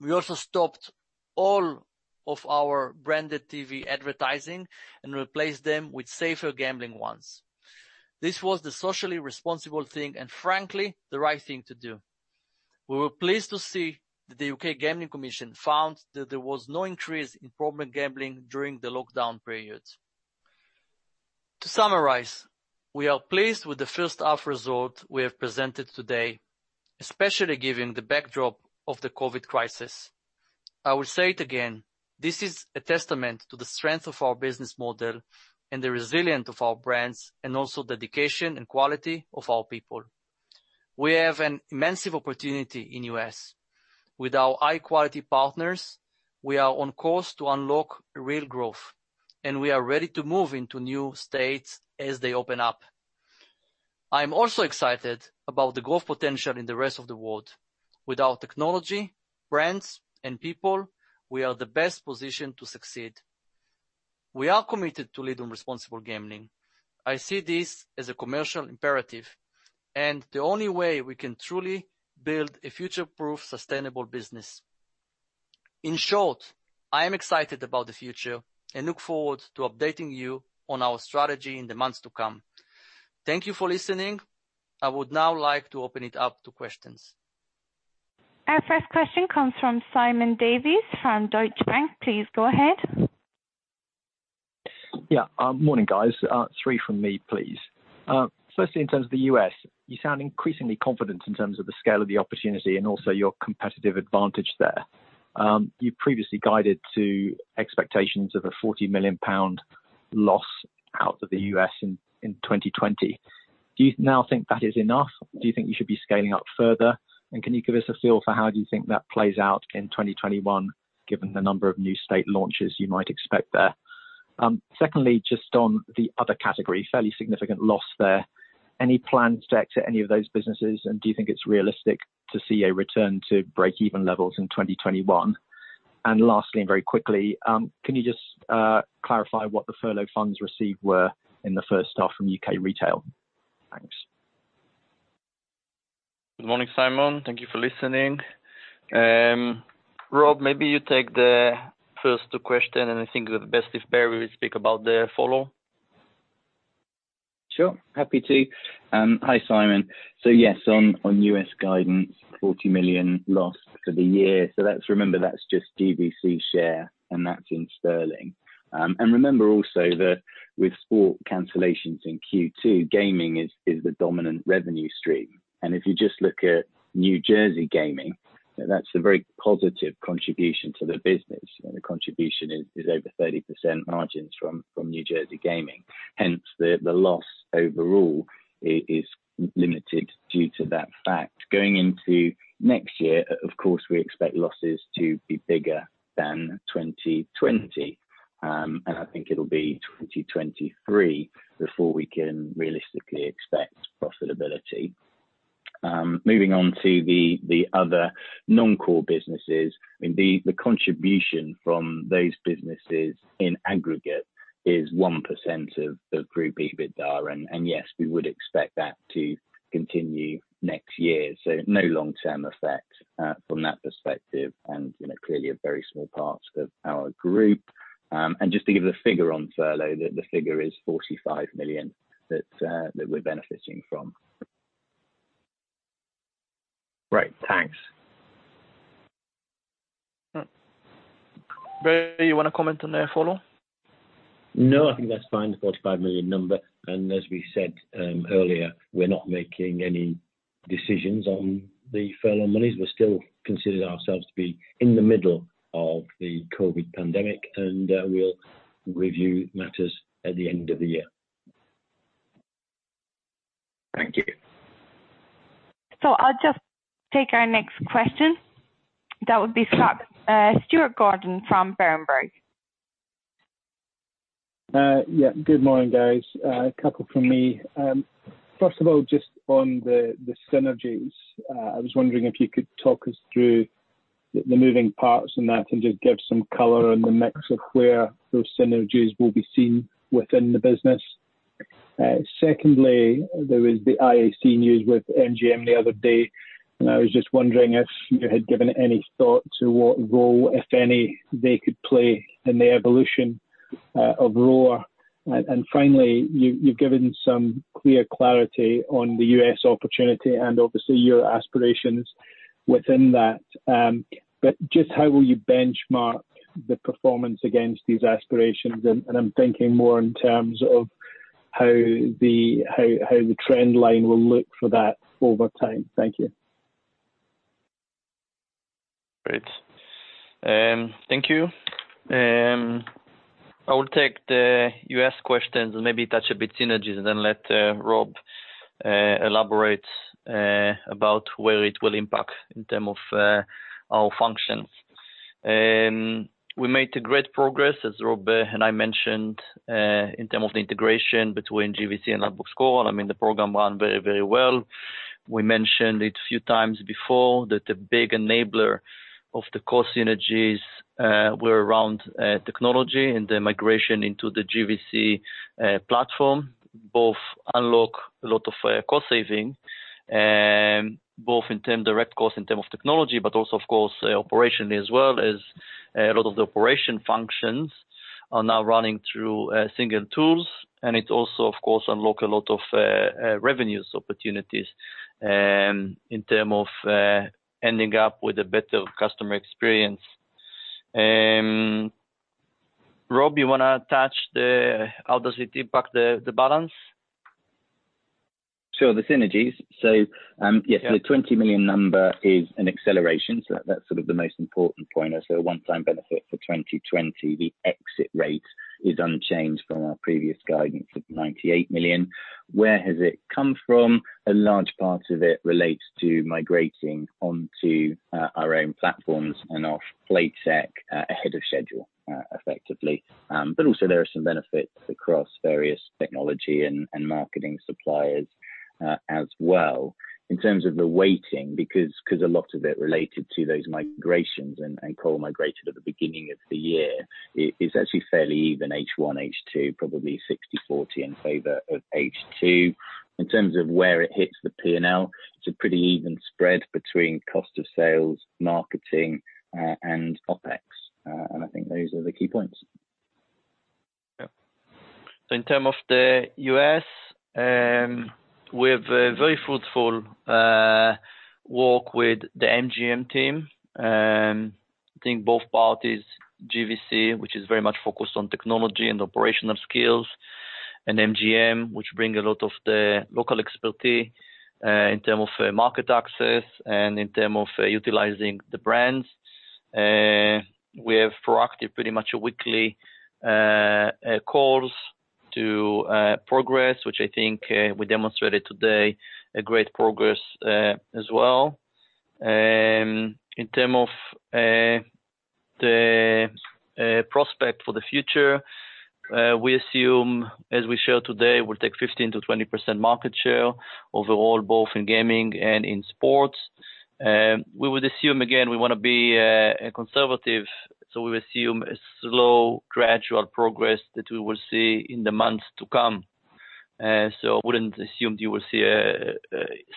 We also stopped all of our branded TV advertising and replaced them with safer gambling ones. This was the socially responsible thing and, frankly, the right thing to do. We were pleased to see that the U.K. Gambling Commission found that there was no increase in problem gambling during the lockdown period. To summarize, we are pleased with the first-half result we have presented today, especially given the backdrop of the COVID crisis. I will say it again. This is a testament to the strength of our business model and the resilience of our brands and also the dedication and quality of our people. We have an immense opportunity in the U.S. With our high-quality partners, we are on course to unlock real growth, and we are ready to move into new states as they open up. I'm also excited about the growth potential in the rest of the world. With our technology, brands, and people, we are in the best position to succeed. We are committed to leading responsible gambling. I see this as a commercial imperative, and the only way we can truly build a future-proof, sustainable business. In short, I am excited about the future and look forward to updating you on our strategy in the months to come. Thank you for listening. I would now like to open it up to questions. Our first question comes from Simon Davies from Deutsche Bank. Please go ahead. Yeah. Morning, guys. Three from me, please. Firstly, in terms of the U.S., you sound increasingly confident in terms of the scale of the opportunity and also your competitive advantage there. You've previously guided to expectations of a 40 million pound loss out of the U.S. in 2020. Do you now think that is enough? Do you think you should be scaling up further? And can you give us a feel for how you think that plays out in 2021, given the number of new state launches you might expect there? Secondly, just on the other category, fairly significant loss there. Any plans to exit any of those businesses, and do you think it's realistic to see a return to break-even levels in 2021? And lastly, and very quickly, can you just clarify what the furlough funds received were in the first half from U.K. retail? Thanks. Good morning, Simon. Thank you for listening. Rob, maybe you take the first two questions, and I think it would be best if Barry would speak about the follow. Sure. Happy to. Hi, Simon. So yes, on U.S. guidance, 40 million lost for the year. So remember, that's just GVC share, and that's in sterling. Remember also that with sport cancellations in Q2, gaming is the dominant revenue stream. If you just look at New Jersey gaming, that's a very positive contribution to the business. The contribution is over 30% margins from New Jersey gaming. Hence, the loss overall is limited due to that fact. Going into next year, of course, we expect losses to be bigger than 2020, and I think it'll be 2023 before we can realistically expect profitability. Moving on to the other non-core businesses, the contribution from those businesses in aggregate is 1% of Group EBITDA, and yes, we would expect that to continue next year, so no long-term effect from that perspective, and clearly a very small part of our group, and just to give the figure on furlough, the figure is 45 million that we're benefiting from. Right. Thanks. Barry, you want to comment on the follow? No, I think that's fine, the 45 million number, and as we said earlier, we're not making any decisions on the furlough monies. We're still considering ourselves to be in the middle of the COVID pandemic, and we'll review matters at the end of the year. Thank you. So I'll just take our next question. That would be Stuart Gordon from Berenberg. Yeah. Good morning, guys. A couple from me. First of all, just on the synergies, I was wondering if you could talk us through the moving parts and that and just give some color on the mix of where those synergies will be seen within the business. Secondly, there was the IAC news with MGM the other day, and I was just wondering if you had given any thought to what role, if any, they could play in the evolution of Roar. And finally, you've given some clear clarity on the U.S. opportunity and obviously your aspirations within that. But just how will you benchmark the performance against these aspirations? I'm thinking more in terms of how the trend line will look for that over time. Thank you. Great. Thank you. I will take the U.S. questions and maybe touch a bit on synergies and then let Rob elaborate about where it will impact in terms of our functions. We made great progress, as Rob and I mentioned, in terms of the integration between GVC and Ladbrokes Coral. I mean, the program ran very, very well. We mentioned it a few times before that the big enabler of the core synergies were around technology and the migration into the GVC platform. Both unlock a lot of cost saving, both in terms of direct cost in terms of technology, but also, of course, operationally as well, as a lot of the operational functions are now running through single tools. It also, of course, unlocks a lot of revenue opportunities in terms of ending up with a better customer experience. Rob, you want to touch on how it impacts the balance? Sure. The synergies. Yes, the 20 million number is an acceleration. That's sort of the most important point. A one-time benefit for 2020. The exit rate is unchanged from our previous guidance of 98 million. Where has it come from? A large part of it relates to migrating onto our own platforms and off Playtech ahead of schedule, effectively. But also, there are some benefits across various technology and marketing suppliers as well. In terms of the weighting, because a lot of it related to those migrations and co-migrated at the beginning of the year, it's actually fairly even H1, H2, probably 60/40 in favor of H2. In terms of where it hits the P&L, it's a pretty even spread between cost of sales, marketing, and OpEx. And I think those are the key points. Yeah. So in terms of the U.S., we have a very fruitful walk with the MGM team. I think both parties, GVC, which is very much focused on technology and operational skills, and MGM, which brings a lot of the local expertise in terms of market access and in terms of utilizing the brands. We have proactive, pretty much a weekly calls to progress, which I think we demonstrated today, a great progress as well. In terms of the prospect for the future, we assume, as we shared today, we'll take 15%-20% market share overall, both in gaming and in sports. We would assume, again, we want to be conservative. We assume a slow, gradual progress that we will see in the months to come. So I wouldn't assume you will see a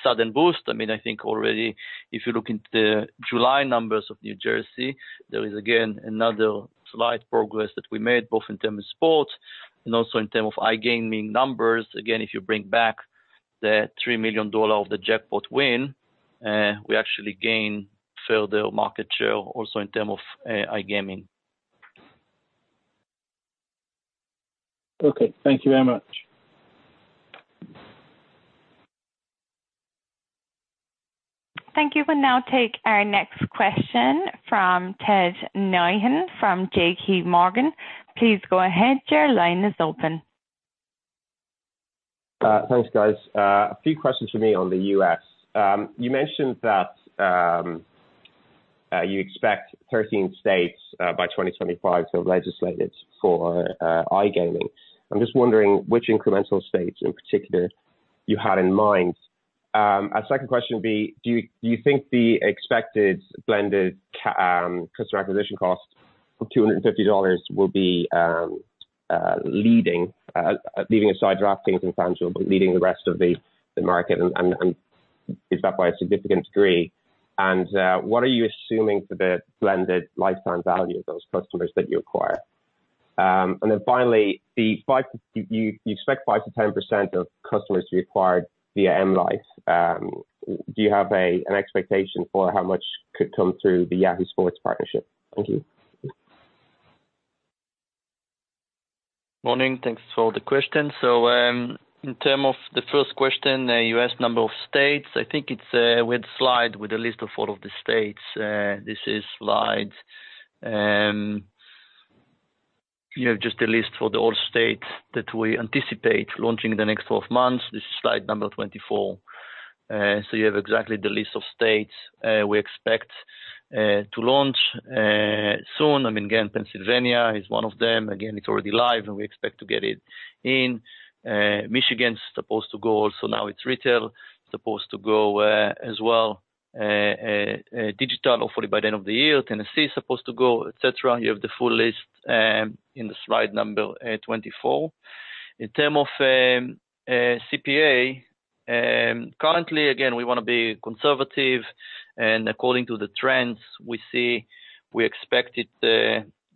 sudden boost. I mean, I think already, if you look into the July numbers of New Jersey, there is, again, another slight progress that we made, both in terms of sports and also in terms of iGaming numbers. Again, if you bring back the $3 million of the jackpot win, we actually gain further market share also in terms of iGaming. Okay. Thank you very much. Thank you. We'll now take our next question from Ted Nyhan from JPMorgan. Please go ahead. Your line is open. Thanks, guys. A few questions for me on the U.S. You mentioned that you expect 13 states by 2025 to have legislated for iGaming. I'm just wondering which incremental states in particular you had in mind. Our second question would be, do you think the expected blended customer acquisition cost of $250 will be leading, leaving aside DraftKings and FanDuel, but leading the rest of the market? And is that by a significant degree? And what are you assuming for the blended lifetime value of those customers that you acquire? And then finally, you expect 5%-10% of customers to be acquired via M life. Do you have an expectation for how much could come through the Yahoo Sports partnership? Thank you. Morning. Thanks for the question. So in terms of the first question, the U.S. number of states, I think it's with a slide with a list of all of the states. This is slide. You have just a list for all the states that we anticipate launching in the next 12 months. This is slide number 24. You have exactly the list of states we expect to launch soon. I mean, again, Pennsylvania is one of them. Again, it's already live, and we expect to get it in. Michigan's supposed to go. So now it's retail supposed to go as well. Digital hopefully by the end of the year. Tennessee is supposed to go, etc. You have the full list in the slide number 24. In terms of CPA, currently, again, we want to be conservative. And according to the trends we see, we expect it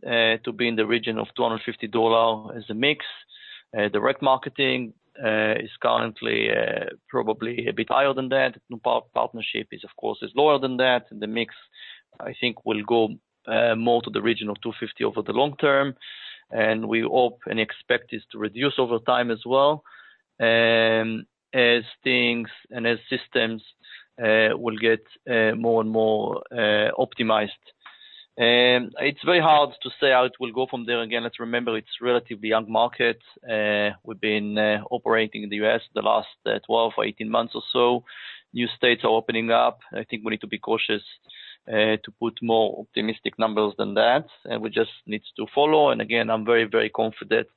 to be in the region of $250 as a mix. Direct marketing is currently probably a bit higher than that. Partnership is, of course, lower than that. The mix, I think, will go more to the region of $250 over the long term. And we hope and expect this to reduce over time as well as things and as systems will get more and more optimized. It's very hard to say how it will go from there. Again, let's remember it's a relatively young market. We've been operating in the U.S. the last 12 or 18 months or so. New states are opening up. I think we need to be cautious to put more optimistic numbers than that. And we just need to follow. And again, I'm very, very confident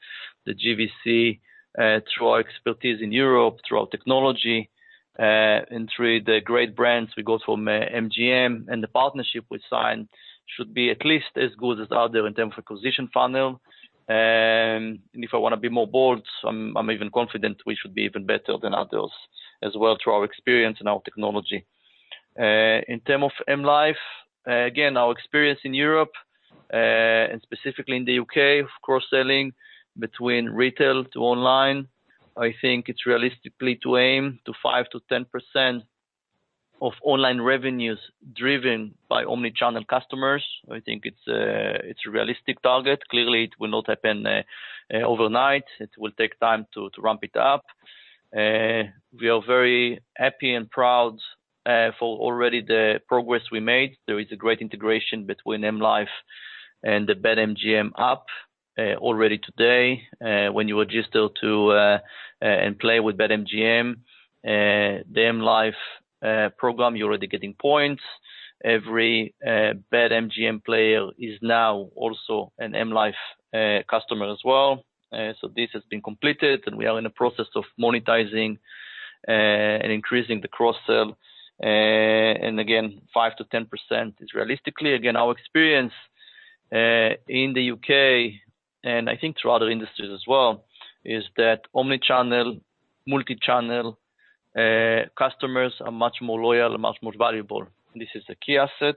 that GVC, through our expertise in Europe, through our technology, and through the great brands we got from MGM and the partnership we signed, should be at least as good as others in terms of acquisition funnel. And if I want to be more bold, I'm even confident we should be even better than others as well through our experience and our technology. In terms of M life, again, our experience in Europe and specifically in the U.K., cross-selling between retail to online, I think it's realistically to aim to 5%-10% of online revenues driven by omnichannel customers. I think it's a realistic target. Clearly, it will not happen overnight. It will take time to ramp it up. We are very happy and proud for already the progress we made. There is a great integration between M life and the BetMGM app already today. When you register to and play with BetMGM, the M life program, you're already getting points. Every BetMGM player is now also an M life customer as well. So this has been completed, and we are in the process of monetizing and increasing the cross-sell. And again, 5%-10% is realistically. Again, our experience in the U.K., and I think through other industries as well, is that omnichannel, multichannel customers are much more loyal and much more valuable. This is a key asset.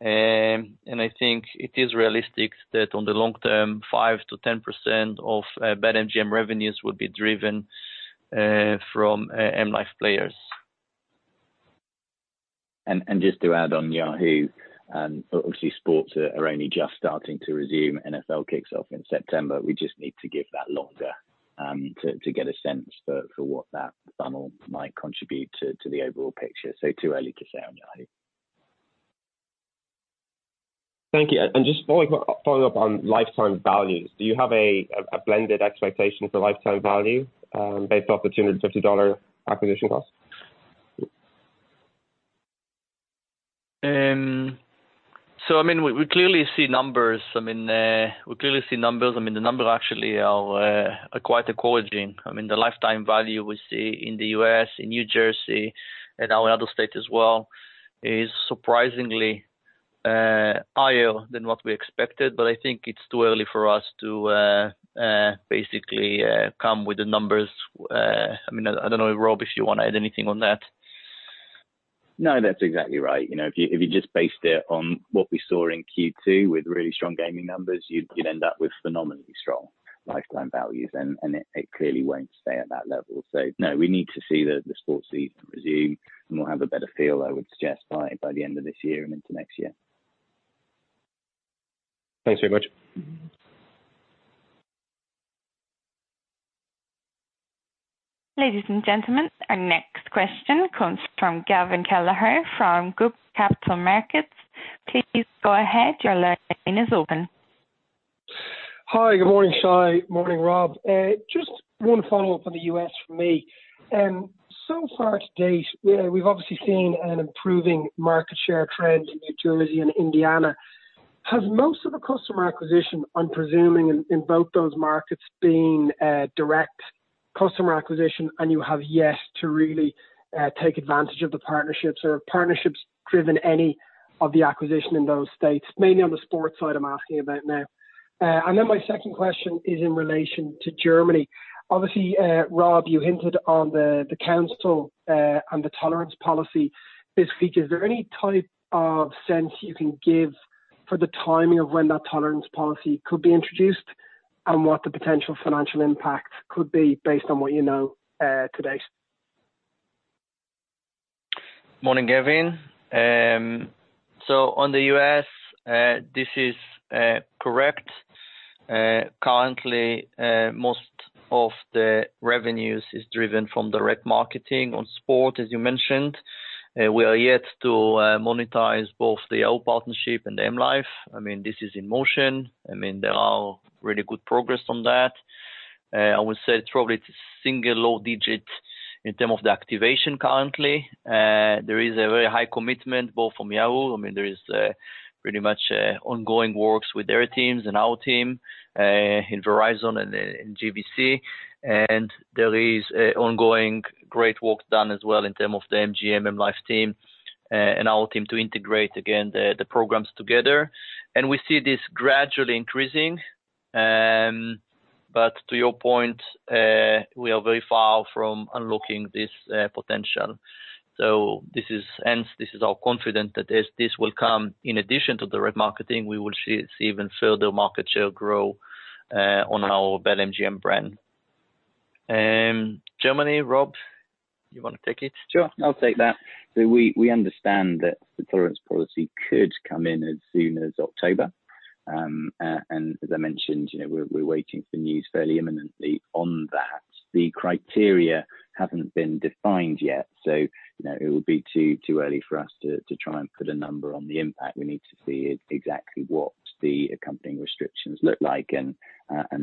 And I think it is realistic that in the long term, 5%-10% of BetMGM revenues will be driven from M life players. And just to add on Yahoo, obviously, sports are only just starting to resume. NFL kicks off in September. We just need to give that longer to get a sense for what that funnel might contribute to the overall picture. So too early to say on Yahoo. Thank you. And just following up on lifetime values, do you have a blended expectation for lifetime value based off the $250 acquisition cost? So I mean, we clearly see numbers. I mean, the numbers actually are quite encouraging. I mean, the lifetime value we see in the U.S., in New Jersey, and our other state as well is surprisingly higher than what we expected. But I think it's too early for us to basically come with the numbers. I mean, I don't know, Rob, if you want to add anything on that. No, that's exactly right. If you just based it on what we saw in Q2 with really strong gaming numbers, you'd end up with phenomenally strong lifetime values. And it clearly won't stay at that level. So no, we need to see the sports season resume, and we'll have a better feel, I would suggest, by the end of this year and into next year. Thanks very much. Ladies and gentlemen, our next question comes from Gavin Kelleher from Goodbody Capital Markets. Please go ahead. Your line is open. Hi. Good morning, Shay. Morning, Rob. Just one follow-up on the U.S. for me. So far to date, we've obviously seen an improving market share trend in New Jersey and Indiana. Has most of the customer acquisition, I'm presuming, in both those markets been direct customer acquisition, and you have yet to really take advantage of the partnerships or partnerships driven any of the acquisition in those states, mainly on the sports side I'm asking about now? And then my second question is in relation to Germany. Obviously, Rob, you hinted on the council and the tolerance policy this week. Is there any type of sense you can give for the timing of when that tolerance policy could be introduced and what the potential financial impact could be based on what you know to date? Morning, Gavin. So on the U.S., this is correct. Currently, most of the revenues is driven from direct marketing on sport, as you mentioned. We are yet to monetize both the Yahoo partnership and the M life. I mean, this is in motion. I mean, there are really good progress on that. I would say it's probably single low digit in terms of the activation currently. There is a very high commitment both from Yahoo. I mean, there is pretty much ongoing works with their teams and our team in Verizon and GVC. And there is ongoing great work done as well in terms of the MGM, M life team, and our team to integrate, again, the programs together. And we see this gradually increasing. But to your point, we are very far from unlocking this potential. So hence, this is how confident that this will come. In addition to direct marketing, we will see even further market share grow on our BetMGM brand. Germany, Rob, you want to take it? Sure. I'll take that. So we understand that the tolerance policy could come in as soon as October. And as I mentioned, we're waiting for news fairly imminently on that. The criteria haven't been defined yet. So it would be too early for us to try and put a number on the impact. We need to see exactly what the accompanying restrictions look like, and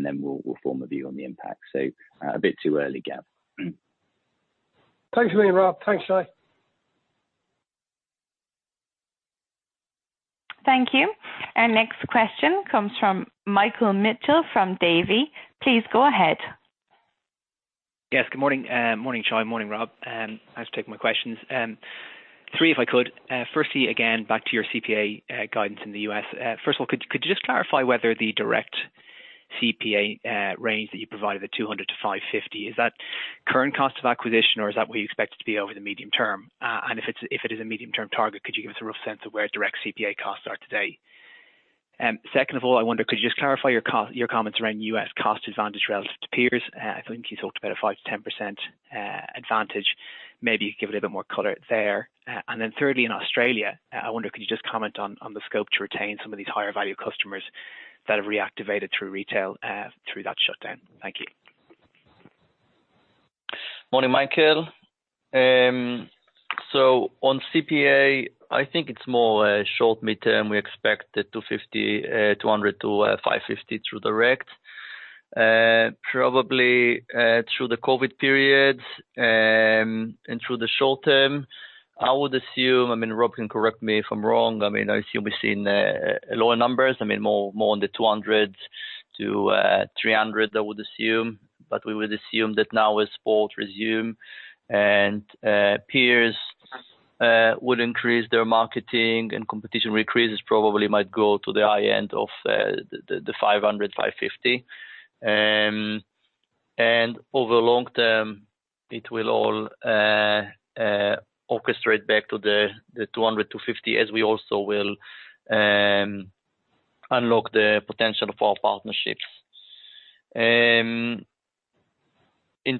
then we'll form a view on the impact. So a bit too early, Gav. Thanks for being here, Rob. Thanks, Shay. Thank you. Our next question comes from Michael Mitchell from Davy. Please go ahead. Yes. Good morning. Morning, Shay. Morning, Rob. Nice to take my questions. Three, if I could. Firstly, again, back to your CPA guidance in the U.S. First of all, could you just clarify whether the direct CPA range that you provided, the 200-550, is that current cost of acquisition, or is that what you expect it to be over the medium term? And if it is a medium-term target, could you give us a rough sense of where direct CPA costs are today? Second of all, I wonder, could you just clarify your comments around U.S. cost advantage relative to peers? I think you talked about a 5%-10% advantage. Maybe you could give a little bit more color there. And then thirdly, in Australia, I wonder, could you just comment on the scope to retain some of these higher-value customers that have reactivated through retail through that shutdown? Thank you. Morning, Michael. So on CPA, I think it's more short, mid-term. We expect the 200-550 through direct. Probably through the COVID period and through the short term, I would assume. I mean, Rob can correct me if I'm wrong. I mean, I assume we've seen lower numbers. I mean, more on the 200-300, I would assume. But we would assume that now as sports resume and peers would increase their marketing and competition increases, probably might go to the high end of the 500-550. And over the long term, it will all orchestrate back to the 200-250 as we also will unlock the potential of our partnerships. In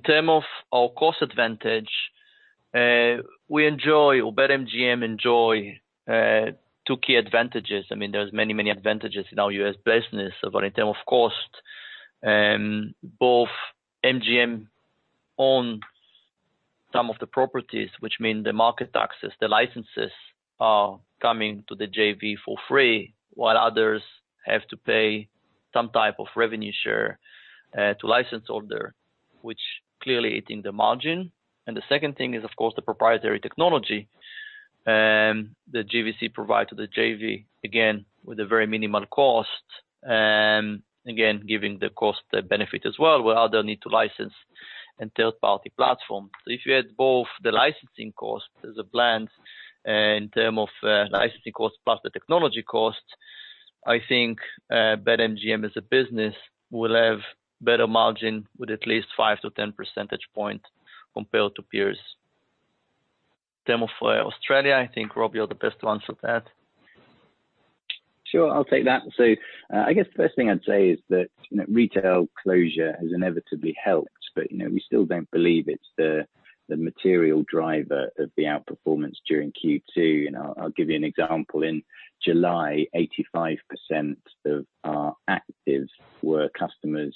terms of our cost advantage, we enjoy, or BetMGM enjoy, two key advantages. I mean, there are many, many advantages in our U.S. business. But in terms of cost, both MGM own some of the properties, which means the market access, the licenses are coming to the JV for free, while others have to pay some type of revenue share to license order, which clearly is eating the margin. And the second thing is, of course, the proprietary technology that GVC provides to the JV, again, with a very minimal cost, again, giving the cost the benefit as well where others need to license and third-party platforms. So if you add both the licensing cost as a blend in terms of licensing cost plus the technology cost, I think BetMGM as a business will have better margin with at least five to 10 percentage points compared to peers. In terms of Australia, I think, Rob, you're the best to answer that. Sure. I'll take that. So I guess the first thing I'd say is that retail closure has inevitably helped, but we still don't believe it's the material driver of the outperformance during Q2. And I'll give you an example. In July, 85% of our active were customers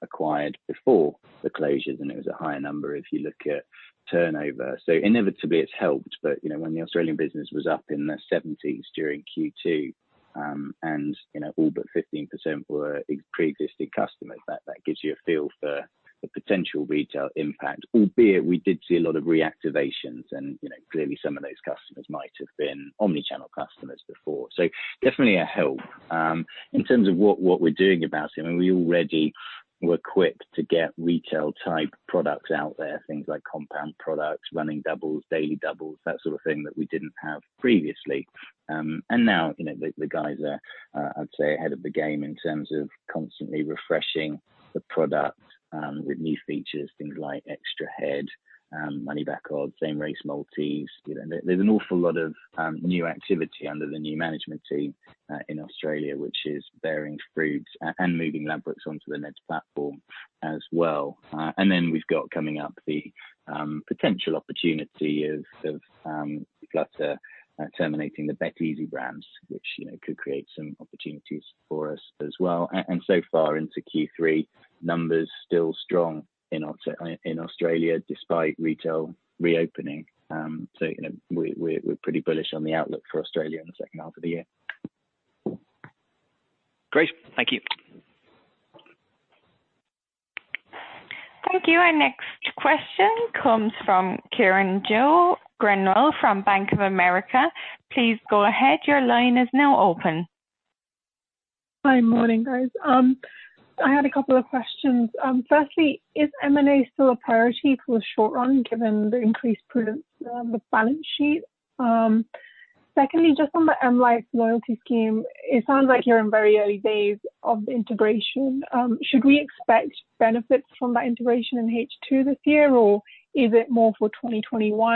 acquired before the closures, and it was a higher number if you look at turnover. So inevitably, it's helped. But when the Australian business was up in the 70s during Q2 and all but 15% were pre-existing customers, that gives you a feel for the potential retail impact, albeit we did see a lot of reactivations. And clearly, some of those customers might have been omnichannel customers before. So definitely a help. In terms of what we're doing about it, I mean, we already were equipped to get retail-type products out there, things like compound products, Running Doubles, Daily Doubles, that sort of thing that we didn't have previously, and now the guys are, I'd say, ahead of the game in terms of constantly refreshing the product with new features, things like extra head, money back odds, Same Race Multi. There's an awful lot of new activity under the new management team in Australia, which is bearing fruits and moving Ladbrokes onto the Neds platform as well, and then we've got coming up the potential opportunity of Flutter terminating the BetEasy brands, which could create some opportunities for us as well, and so far into Q3, numbers still strong in Australia despite retail reopening, so we're pretty bullish on the outlook for Australia in the second half of the year. Great. Thank you. Thank you. Our next question comes from Kiranjot Grewal from Bank of America. Please go ahead. Your line is now open. Hi. Morning, guys. I had a couple of questions. Firstly, is M&A still a priority for the short run given the increased prudence on the balance sheet? Secondly, just on the M life loyalty scheme, it sounds like you're in very early days of the integration. Should we expect benefits from that integration in H2 this year, or is it more for 2021?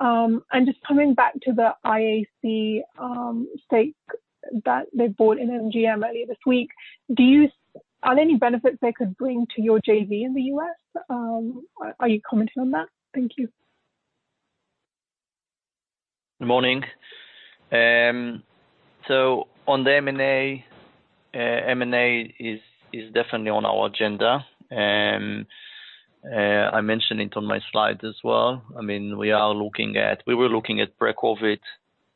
And just coming back to the IAC stake that they bought in MGM earlier this week, are there any benefits they could bring to your JV in the U.S.? Are you commenting on that? Thank you. Good morning. So on the M&A, M&A is definitely on our agenda. I mentioned it on my slide as well. I mean, we are looking at—we were looking at pre-COVID,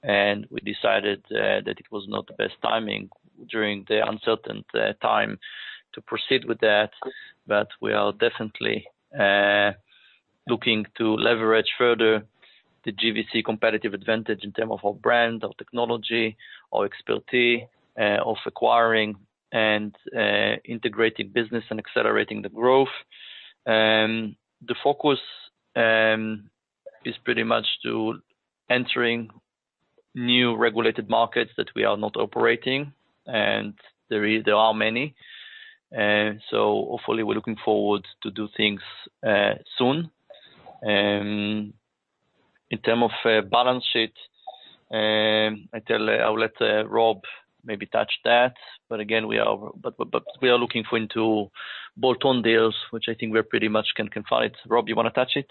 and we decided that it was not the best timing during the uncertain time to proceed with that. But we are definitely looking to leverage further the GVC competitive advantage in terms of our brand, our technology, our expertise of acquiring and integrating business and accelerating the growth. The focus is pretty much to entering new regulated markets that we are not operating, and there are many. So hopefully, we're looking forward to do things soon. In terms of balance sheet, I'll let Rob maybe touch that. But again, we are looking forward to bolt-on deals, which I think we're pretty much confident. Rob, you want to touch it?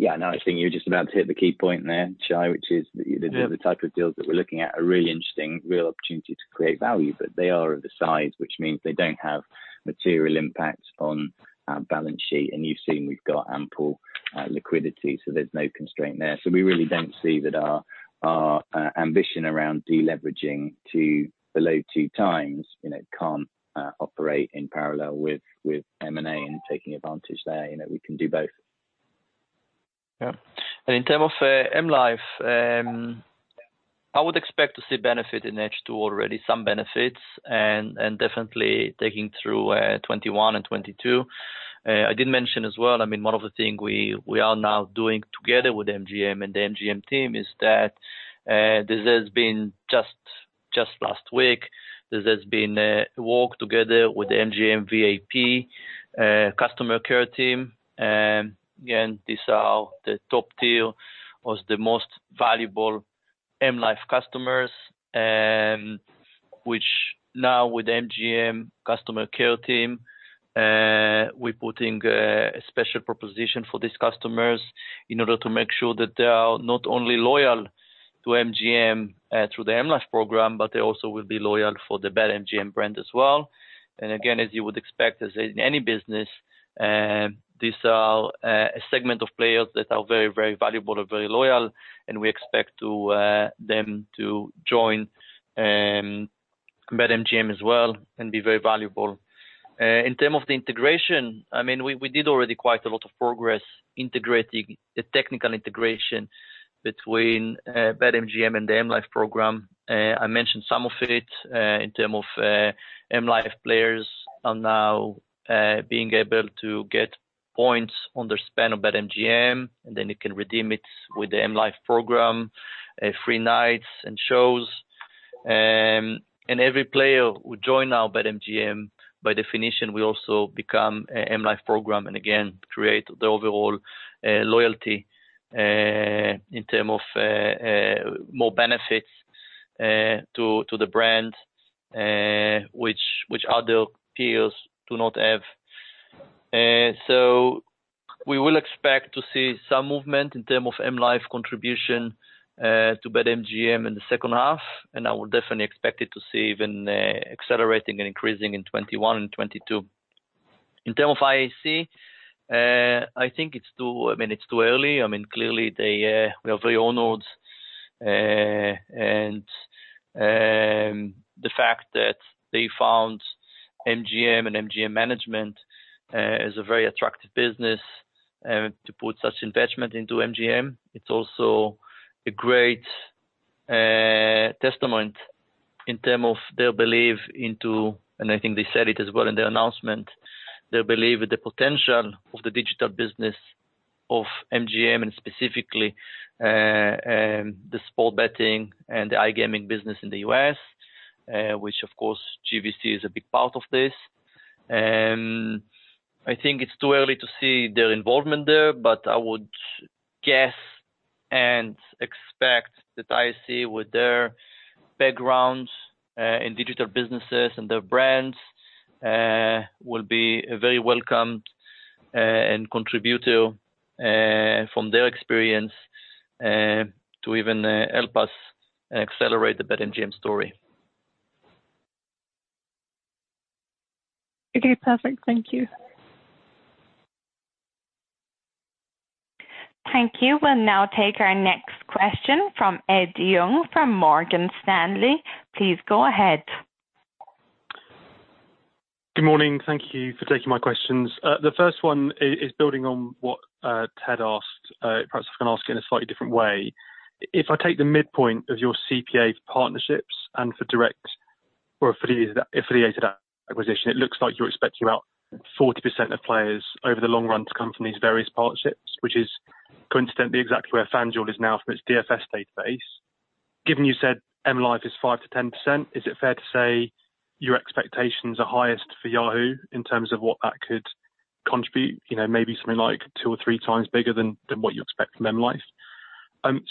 Yeah. No, I think you're just about to hit the key point there, Shay, which is the type of deals that we're looking at are really interesting, real opportunities to create value, but they are of the size, which means they don't have material impact on our balance sheet. And you've seen we've got ample liquidity, so there's no constraint there. So we really don't see that our ambition around deleveraging to below two times can't operate in parallel with M&A and taking advantage there. We can do both. Yeah. And in terms of M life, I would expect to see benefit in H2 already, some benefits, and definitely taking through 2021 and 2022. I did mention as well, I mean, one of the things we are now doing together with MGM and the MGM team is that there has been just last week a walk together with the MGM VIP customer care team. Again, these are the top tier or the most valuable M life customers, which now with MGM customer care team, we're putting a special proposition for these customers in order to make sure that they are not only loyal to MGM through the M life program, but they also will be loyal for the BetMGM brand as well. And again, as you would expect, as in any business, these are a segment of players that are very, very valuable and very loyal, and we expect them to join BetMGM as well and be very valuable. In terms of the integration, I mean, we did already quite a lot of progress integrating the technical integration between BetMGM and the M life program. I mentioned some of it in terms of M life players are now being able to get points on their spend on BetMGM, and then you can redeem it with the M life program, free nights and shows. And every player who joins our BetMGM, by definition, they also become an M life member and again, create the overall loyalty in terms of more benefits to the brand, which other peers do not have. So we will expect to see some movement in terms of M life contribution to BetMGM in the second half, and I would definitely expect to see it even accelerating and increasing in 2021 and 2022. In terms of IAC, I think it's too early. I mean, it's too early. I mean, clearly, we are very honored. And the fact that they found MGM and MGM management as a very attractive business to put such investment into MGM, it's also a great testament in terms of their belief into, and I think they said it as well in their announcement, their belief with the potential of the digital business of MGM and specifically the sports betting and the iGaming business in the U.S., which of course, GVC is a big part of this. I think it's too early to see their involvement there, but I would guess and expect that IAC, with their background in digital businesses and their brands, will be very welcomed and contributor from their experience to even help us accelerate the BetMGM story. Okay. Perfect. Thank you. Thank you. We'll now take our next question from Ed Young from Morgan Stanley. Please go ahead. Good morning. Thank you for taking my questions. The first one is building on what Ed asked. Perhaps I can ask it in a slightly different way. If I take the midpoint of your CPA partnerships and for direct or affiliated acquisition, it looks like you're expecting about 40% of players over the long run to come from these various partnerships, which is coincidentally exactly where FanDuel is now from its DFS database. Given you said M life is 5%-10%, is it fair to say your expectations are highest for Yahoo in terms of what that could contribute? Maybe something like two or three times bigger than what you expect from M life.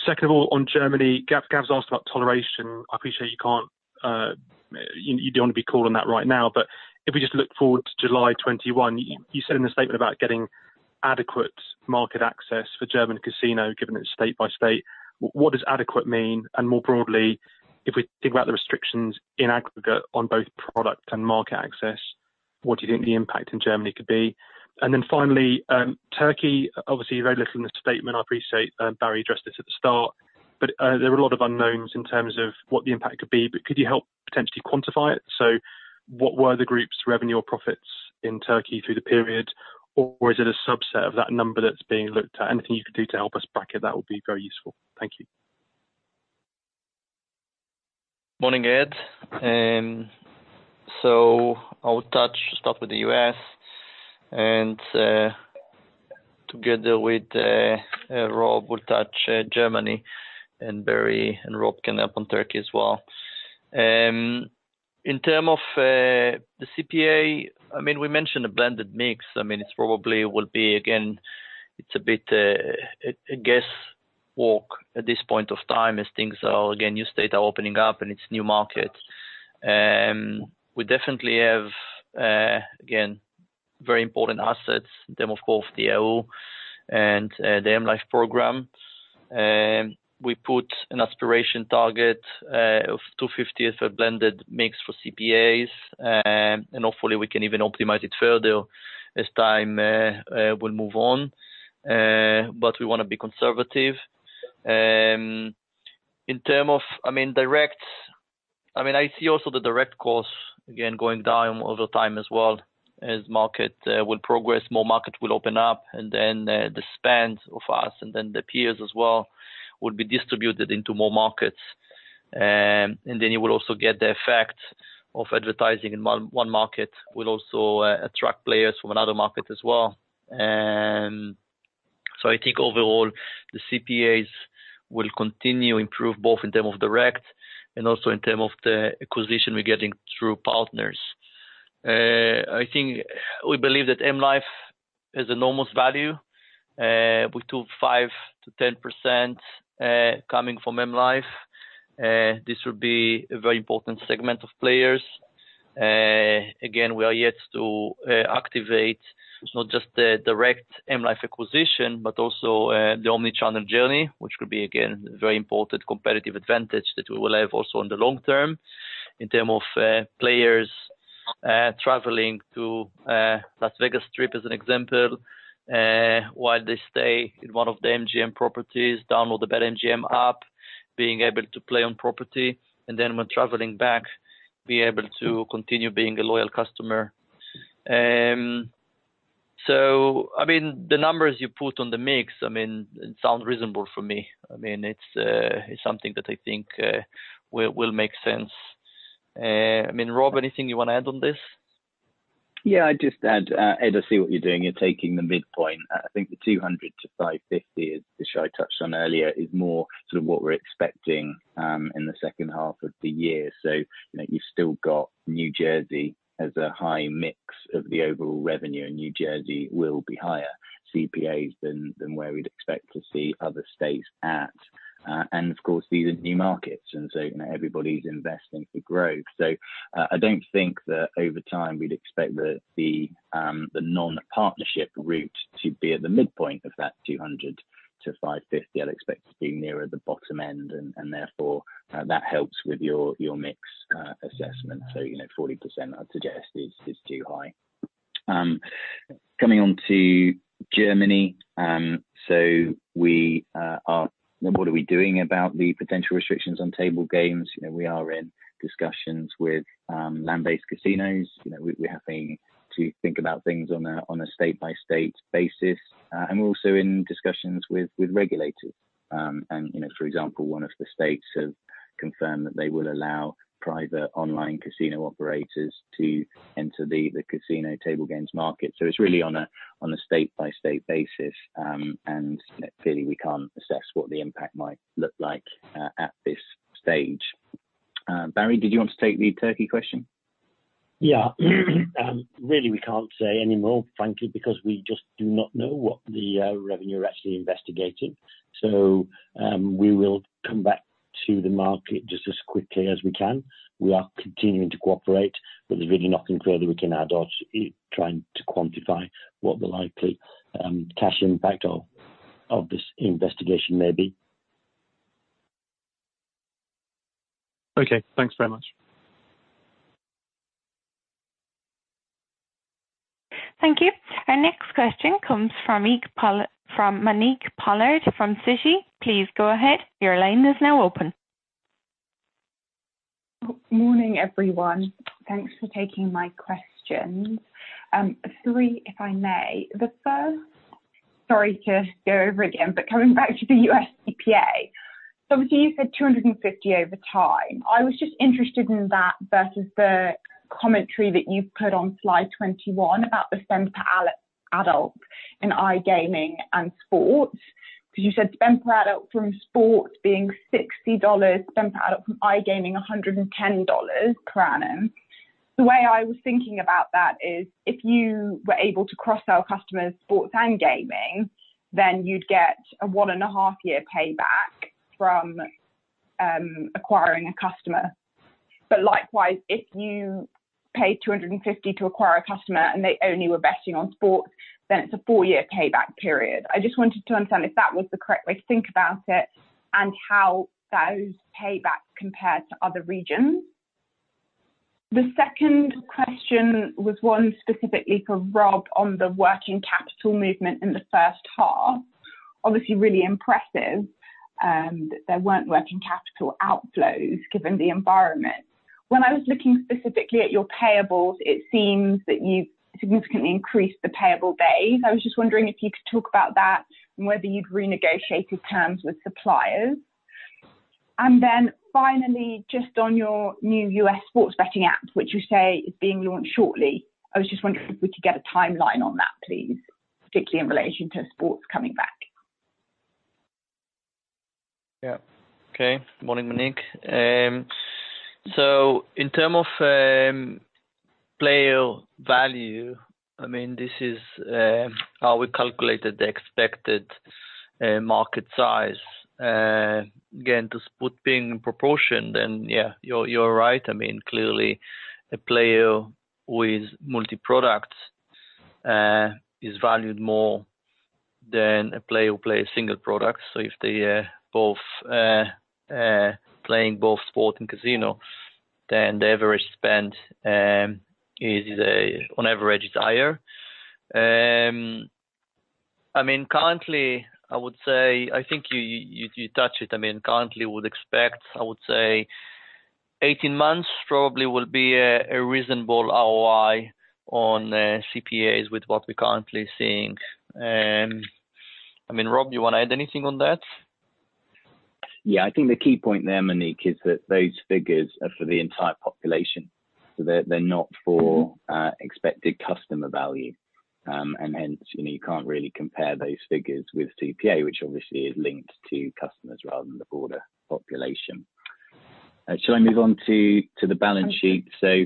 Second of all, on Germany, Gav's asked about toleration. I appreciate you can't—you don't want to be calling that right now, but if we just look forward to July 21, you said in the statement about getting adequate market access for German casino given it's state by state. What does adequate mean? And more broadly, if we think about the restrictions in aggregate on both product and market access, what do you think the impact in Germany could be? And then finally, Turkey, obviously very little in the statement. I appreciate Barry addressed this at the start, but there are a lot of unknowns in terms of what the impact could be. But could you help potentially quantify it? So what were the group's revenue or profits in Turkey through the period, or is it a subset of that number that's being looked at? Anything you could do to help us bracket that would be very useful. Thank you. Morning, Ed. So I'll start with the U.S., and together with Rob, we'll touch Germany, and Barry and Rob can help on Turkey as well. In terms of the CPA, I mean, we mentioned a blended mix. I mean, it probably will be—again, it's a bit of guesswork at this point of time as things are—again, new states are opening up, and it's new markets. We definitely have, again, very important assets, in terms of, of course, the Yahoo and the M life program. We put an aspiration target of 250 as a blended mix for CPAs, and hopefully, we can even optimize it further as time will move on, but we want to be conservative. In terms of, I mean, direct—I mean, I see also the direct costs, again, going down over time as well as market will progress, more market will open up, and then the spend of us and then the peers as well will be distributed into more markets. And then you will also get the effect of advertising in one market will also attract players from another market as well. So I think overall, the CPAs will continue to improve both in terms of direct and also in terms of the acquisition we're getting through partners. I think we believe that M life has enormous value with 5%-10% coming from M life. This will be a very important segment of players. Again, we are yet to activate not just the direct M life acquisition, but also the omnichannel journey, which could be, again, a very important competitive advantage that we will have also in the long term in terms of players traveling to Las Vegas trip as an example while they stay in one of the MGM properties, download the BetMGM app, being able to play on property, and then when traveling back, be able to continue being a loyal customer. So, I mean, the numbers you put on the mix, I mean, it sounds reasonable for me. I mean, it's something that I think will make sense. I mean, Rob, anything you want to add on this? Yeah. I'd just add to see what you're doing at taking the midpoint. I think the 200-550, as Shay touched on earlier, is more sort of what we're expecting in the second half of the year. So you've still got New Jersey as a high mix of the overall revenue, and New Jersey will be higher CPAs than where we'd expect to see other states at. And of course, these are new markets, and so everybody's investing for growth. So I don't think that over time we'd expect the non-partnership route to be at the midpoint of that 200-550. I'd expect it to be nearer the bottom end, and therefore, that helps with your mix assessment. So 40%, I'd suggest, is too high. Coming on to Germany, so we are, what are we doing about the potential restrictions on table games? We are in discussions with land-based casinos. We're having to think about things on a state-by-state basis. And we're also in discussions with regulators. And for example, one of the states has confirmed that they will allow private online casino operators to enter the casino table games market. So it's really on a state-by-state basis, and clearly, we can't assess what the impact might look like at this stage. Barry, did you want to take the Turkey question? Yeah. Really, we can't say any more, frankly, because we just do not know what the revenue we're actually investigating. So we will come back to the market just as quickly as we can. We are continuing to cooperate, but there's really nothing further we can add, or trying to quantify what the likely cash impact of this investigation may be. Okay. Thanks very much. Thank you. Our next question comes from Monique Pollard from Citi. Please go ahead. Your line is now open. Morning, everyone. Thanks for taking my questions. Three, if I may. The first, sorry to go over again, but coming back to the U.S. CPA. So obviously, you said $250 over time. I was just interested in that versus the commentary that you've put on slide 21 about the spend per adult in iGaming and sports because you said spend per adult from sports being $60, spend per adult from iGaming $110 per annum. The way I was thinking about that is if you were able to cross-sell customers sports and gaming, then you'd get a one-and-a-half-year payback from acquiring a customer. But likewise, if you paid $250 to acquire a customer and they only were betting on sports, then it's a four-year payback period. I just wanted to understand if that was the correct way to think about it and how those paybacks compared to other regions. The second question was one specifically for Rob on the working capital movement in the first half. Obviously, really impressive that there weren't working capital outflows given the environment. When I was looking specifically at your payables, it seems that you've significantly increased the payable days. I was just wondering if you could talk about that and whether you'd renegotiated terms with suppliers. And then finally, just on your new U.S. sports betting app, which you say is being launched shortly, I was just wondering if we could get a timeline on that, please, particularly in relation to sports coming back. Yeah. Okay. Morning, Monique. So in terms of player value, I mean, this is how we calculated the expected market size. Again, to split being in proportion, then yeah, you're right. I mean, clearly, a player with multi-products is valued more than a player who plays single products. So if they are both playing both sports and casino, then the average spend is, on average, higher. I mean, currently, I would say I think you touched it. I mean, currently, we would expect, I would say, 18 months probably will be a reasonable ROI on CPAs with what we're currently seeing. I mean, Rob, do you want to add anything on that? Yeah. I think the key point there, Monique, is that those figures are for the entire population. So they're not for expected customer value. And hence, you can't really compare those figures with CPA, which obviously is linked to customers rather than the broader population. Shall I move on to the balance sheet? So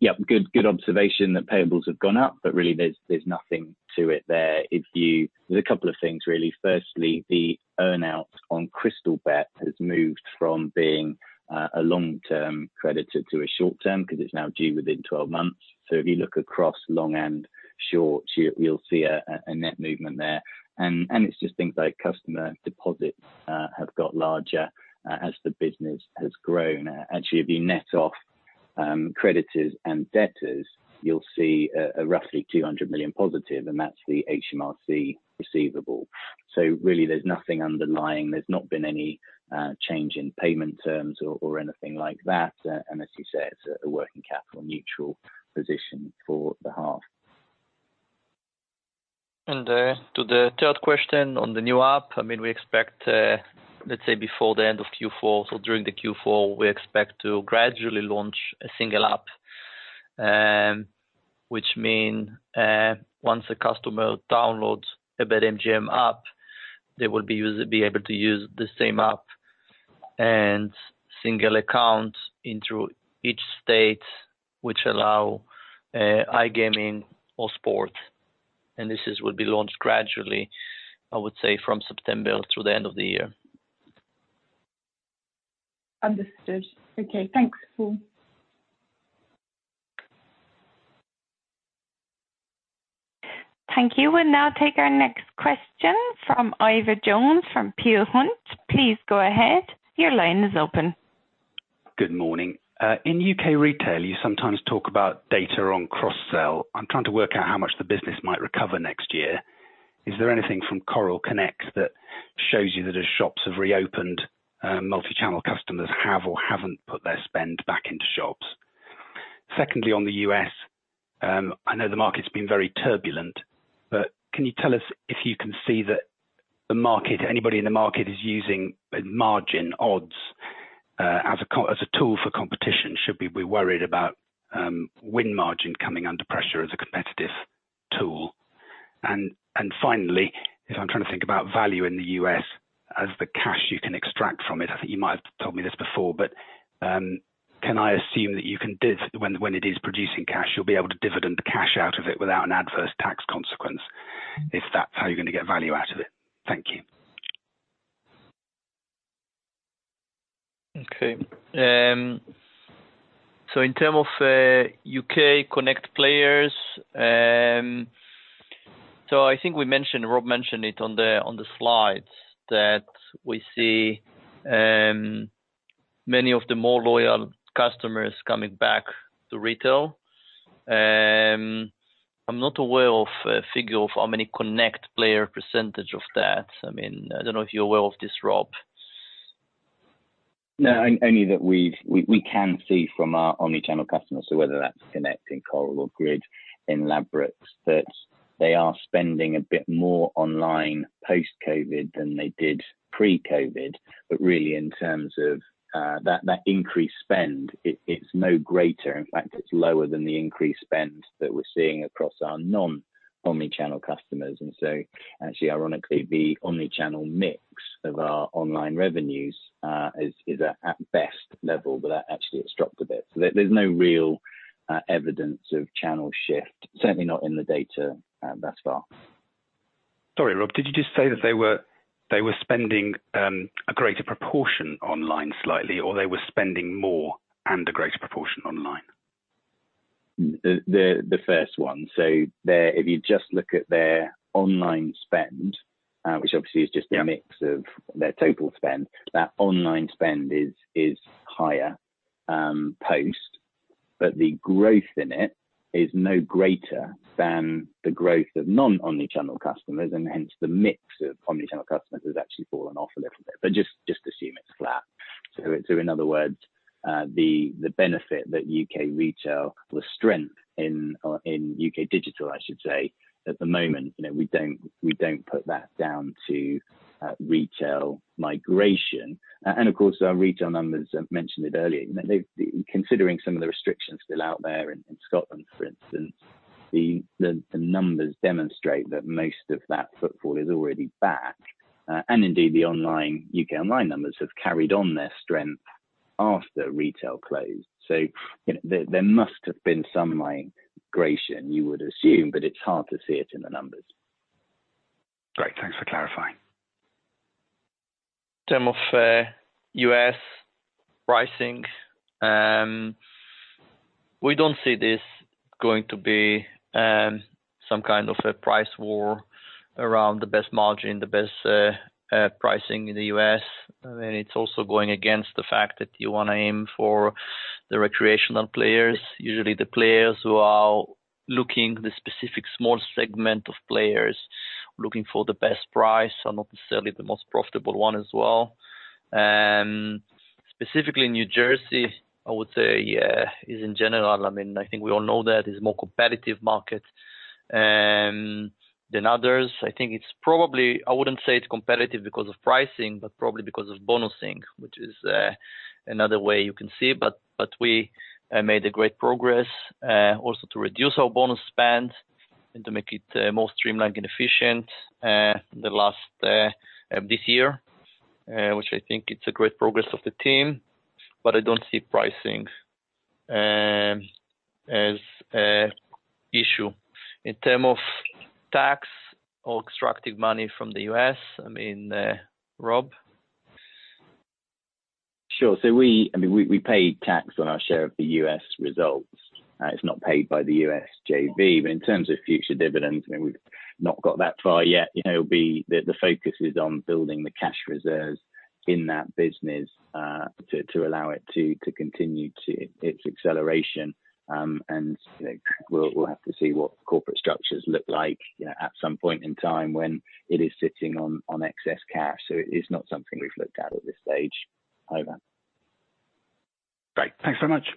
yeah, good observation that payables have gone up, but really, there's nothing to it there. There's a couple of things, really. Firstly, the earnout on Crystalbet has moved from being a long-term creditor to a short-term because it's now due within 12 months. So if you look across long and short, you'll see a net movement there. And it's just things like customer deposits have got larger as the business has grown. Actually, if you net off creditors and debtors, you'll see a roughly 200 million positive, and that's the HMRC receivable. So really, there's nothing underlying. There's not been any change in payment terms or anything like that. And as you said, it's a working capital neutral position for the half. To the third question on the new app, I mean, we expect, let's say, before the end of Q4 or during the Q4, we expect to gradually launch a single app, which means once a customer downloads a BetMGM app, they will be able to use the same app and single account in through each state, which allow iGaming or sports. And this will be launched gradually, I would say, from September through the end of the year. Understood. Okay. Thanks, cool. Thank you. We'll now take our next question from Ivor Jones from Peel Hunt, please go ahead. Your line is open. Good morning. In U.K. retail, you sometimes talk about data on cross-sell. I'm trying to work out how much the business might recover next year. Is there anything from Coral Connect that shows you that as shops have reopened, multi-channel customers have or haven't put their spend back into shops? Secondly, on the U.S., I know the market's been very turbulent, but can you tell us if you can see that anybody in the market is using margin odds as a tool for competition? Should we be worried about win margin coming under pressure as a competitive tool? And finally, if I'm trying to think about value in the U.S. as the cash you can extract from it, I think you might have told me this before, but can I assume that when it is producing cash, you'll be able to dividend cash out of it without an adverse tax consequence if that's how you're going to get value out of it? Thank you. Okay. In terms of U.K. Connect players, I think Rob mentioned it on the slides that we see many of the more loyal customers coming back to retail. I'm not aware of a figure of how many Connect players' percentage of that. I mean, I don't know if you're aware of this, Rob. No, only that we can see from our omnichannel customers, so whether that's Connect, Coral, or Grid in Ladbrokes, that they are spending a bit more online post-COVID than they did pre-COVID. But really, in terms of that increased spend, it's no greater. In fact, it's lower than the increased spend that we're seeing across our non-omnichannel customers. And so actually, ironically, the omnichannel mix of our online revenues is at best level, but actually, it's dropped a bit. There's no real evidence of channel shift, certainly not in the data thus far. Sorry, Rob, did you just say that they were spending a greater proportion online slightly, or they were spending more and a greater proportion online? The first one. So if you just look at their online spend, which obviously is just a mix of their total spend, that online spend is higher post, but the growth in it is no greater than the growth of non-omnichannel customers, and hence, the mix of omnichannel customers has actually fallen off a little bit. But just assume it's flat. So in other words, the benefit that U.K. retail, the strength in U.K. digital, I should say, at the moment, we don't put that down to retail migration. And of course, our retail numbers mentioned earlier, considering some of the restrictions still out there in Scotland, for instance, the numbers demonstrate that most of that footfall is already back. And indeed, the U.K. online numbers have carried on their strength after retail closed. So there must have been some migration, you would assume, but it's hard to see it in the numbers. Great. Thanks for clarifying. In terms of U.S. pricing, we don't see this going to be some kind of a price war around the best margin, the best pricing in the U.S. I mean, it's also going against the fact that you want to aim for the recreational players. Usually, the players who are looking, the specific small segment of players looking for the best price are not necessarily the most profitable one as well. Specifically, New Jersey, I would say, is in general, I mean, I think we all know that it's a more competitive market than others. I think it's probably. I wouldn't say it's competitive because of pricing, but probably because of bonusing, which is another way you can see. But we made great progress also to reduce our bonus spend and to make it more streamlined and efficient this year, which I think it's a great progress of the team. But I don't see pricing as an issue. In terms of tax or extracting money from the U.S., I mean, Rob? Sure. So I mean, we pay tax on our share of the U.S. results. It's not paid by the U.S. JV. But in terms of future dividends, I mean, we've not got that far yet. The focus is on building the cash reserves in that business to allow it to continue its acceleration. And we'll have to see what corporate structures look like at some point in time when it is sitting on excess cash. So it's not something we've looked at at this stage. Ivor. Great. Thanks very much.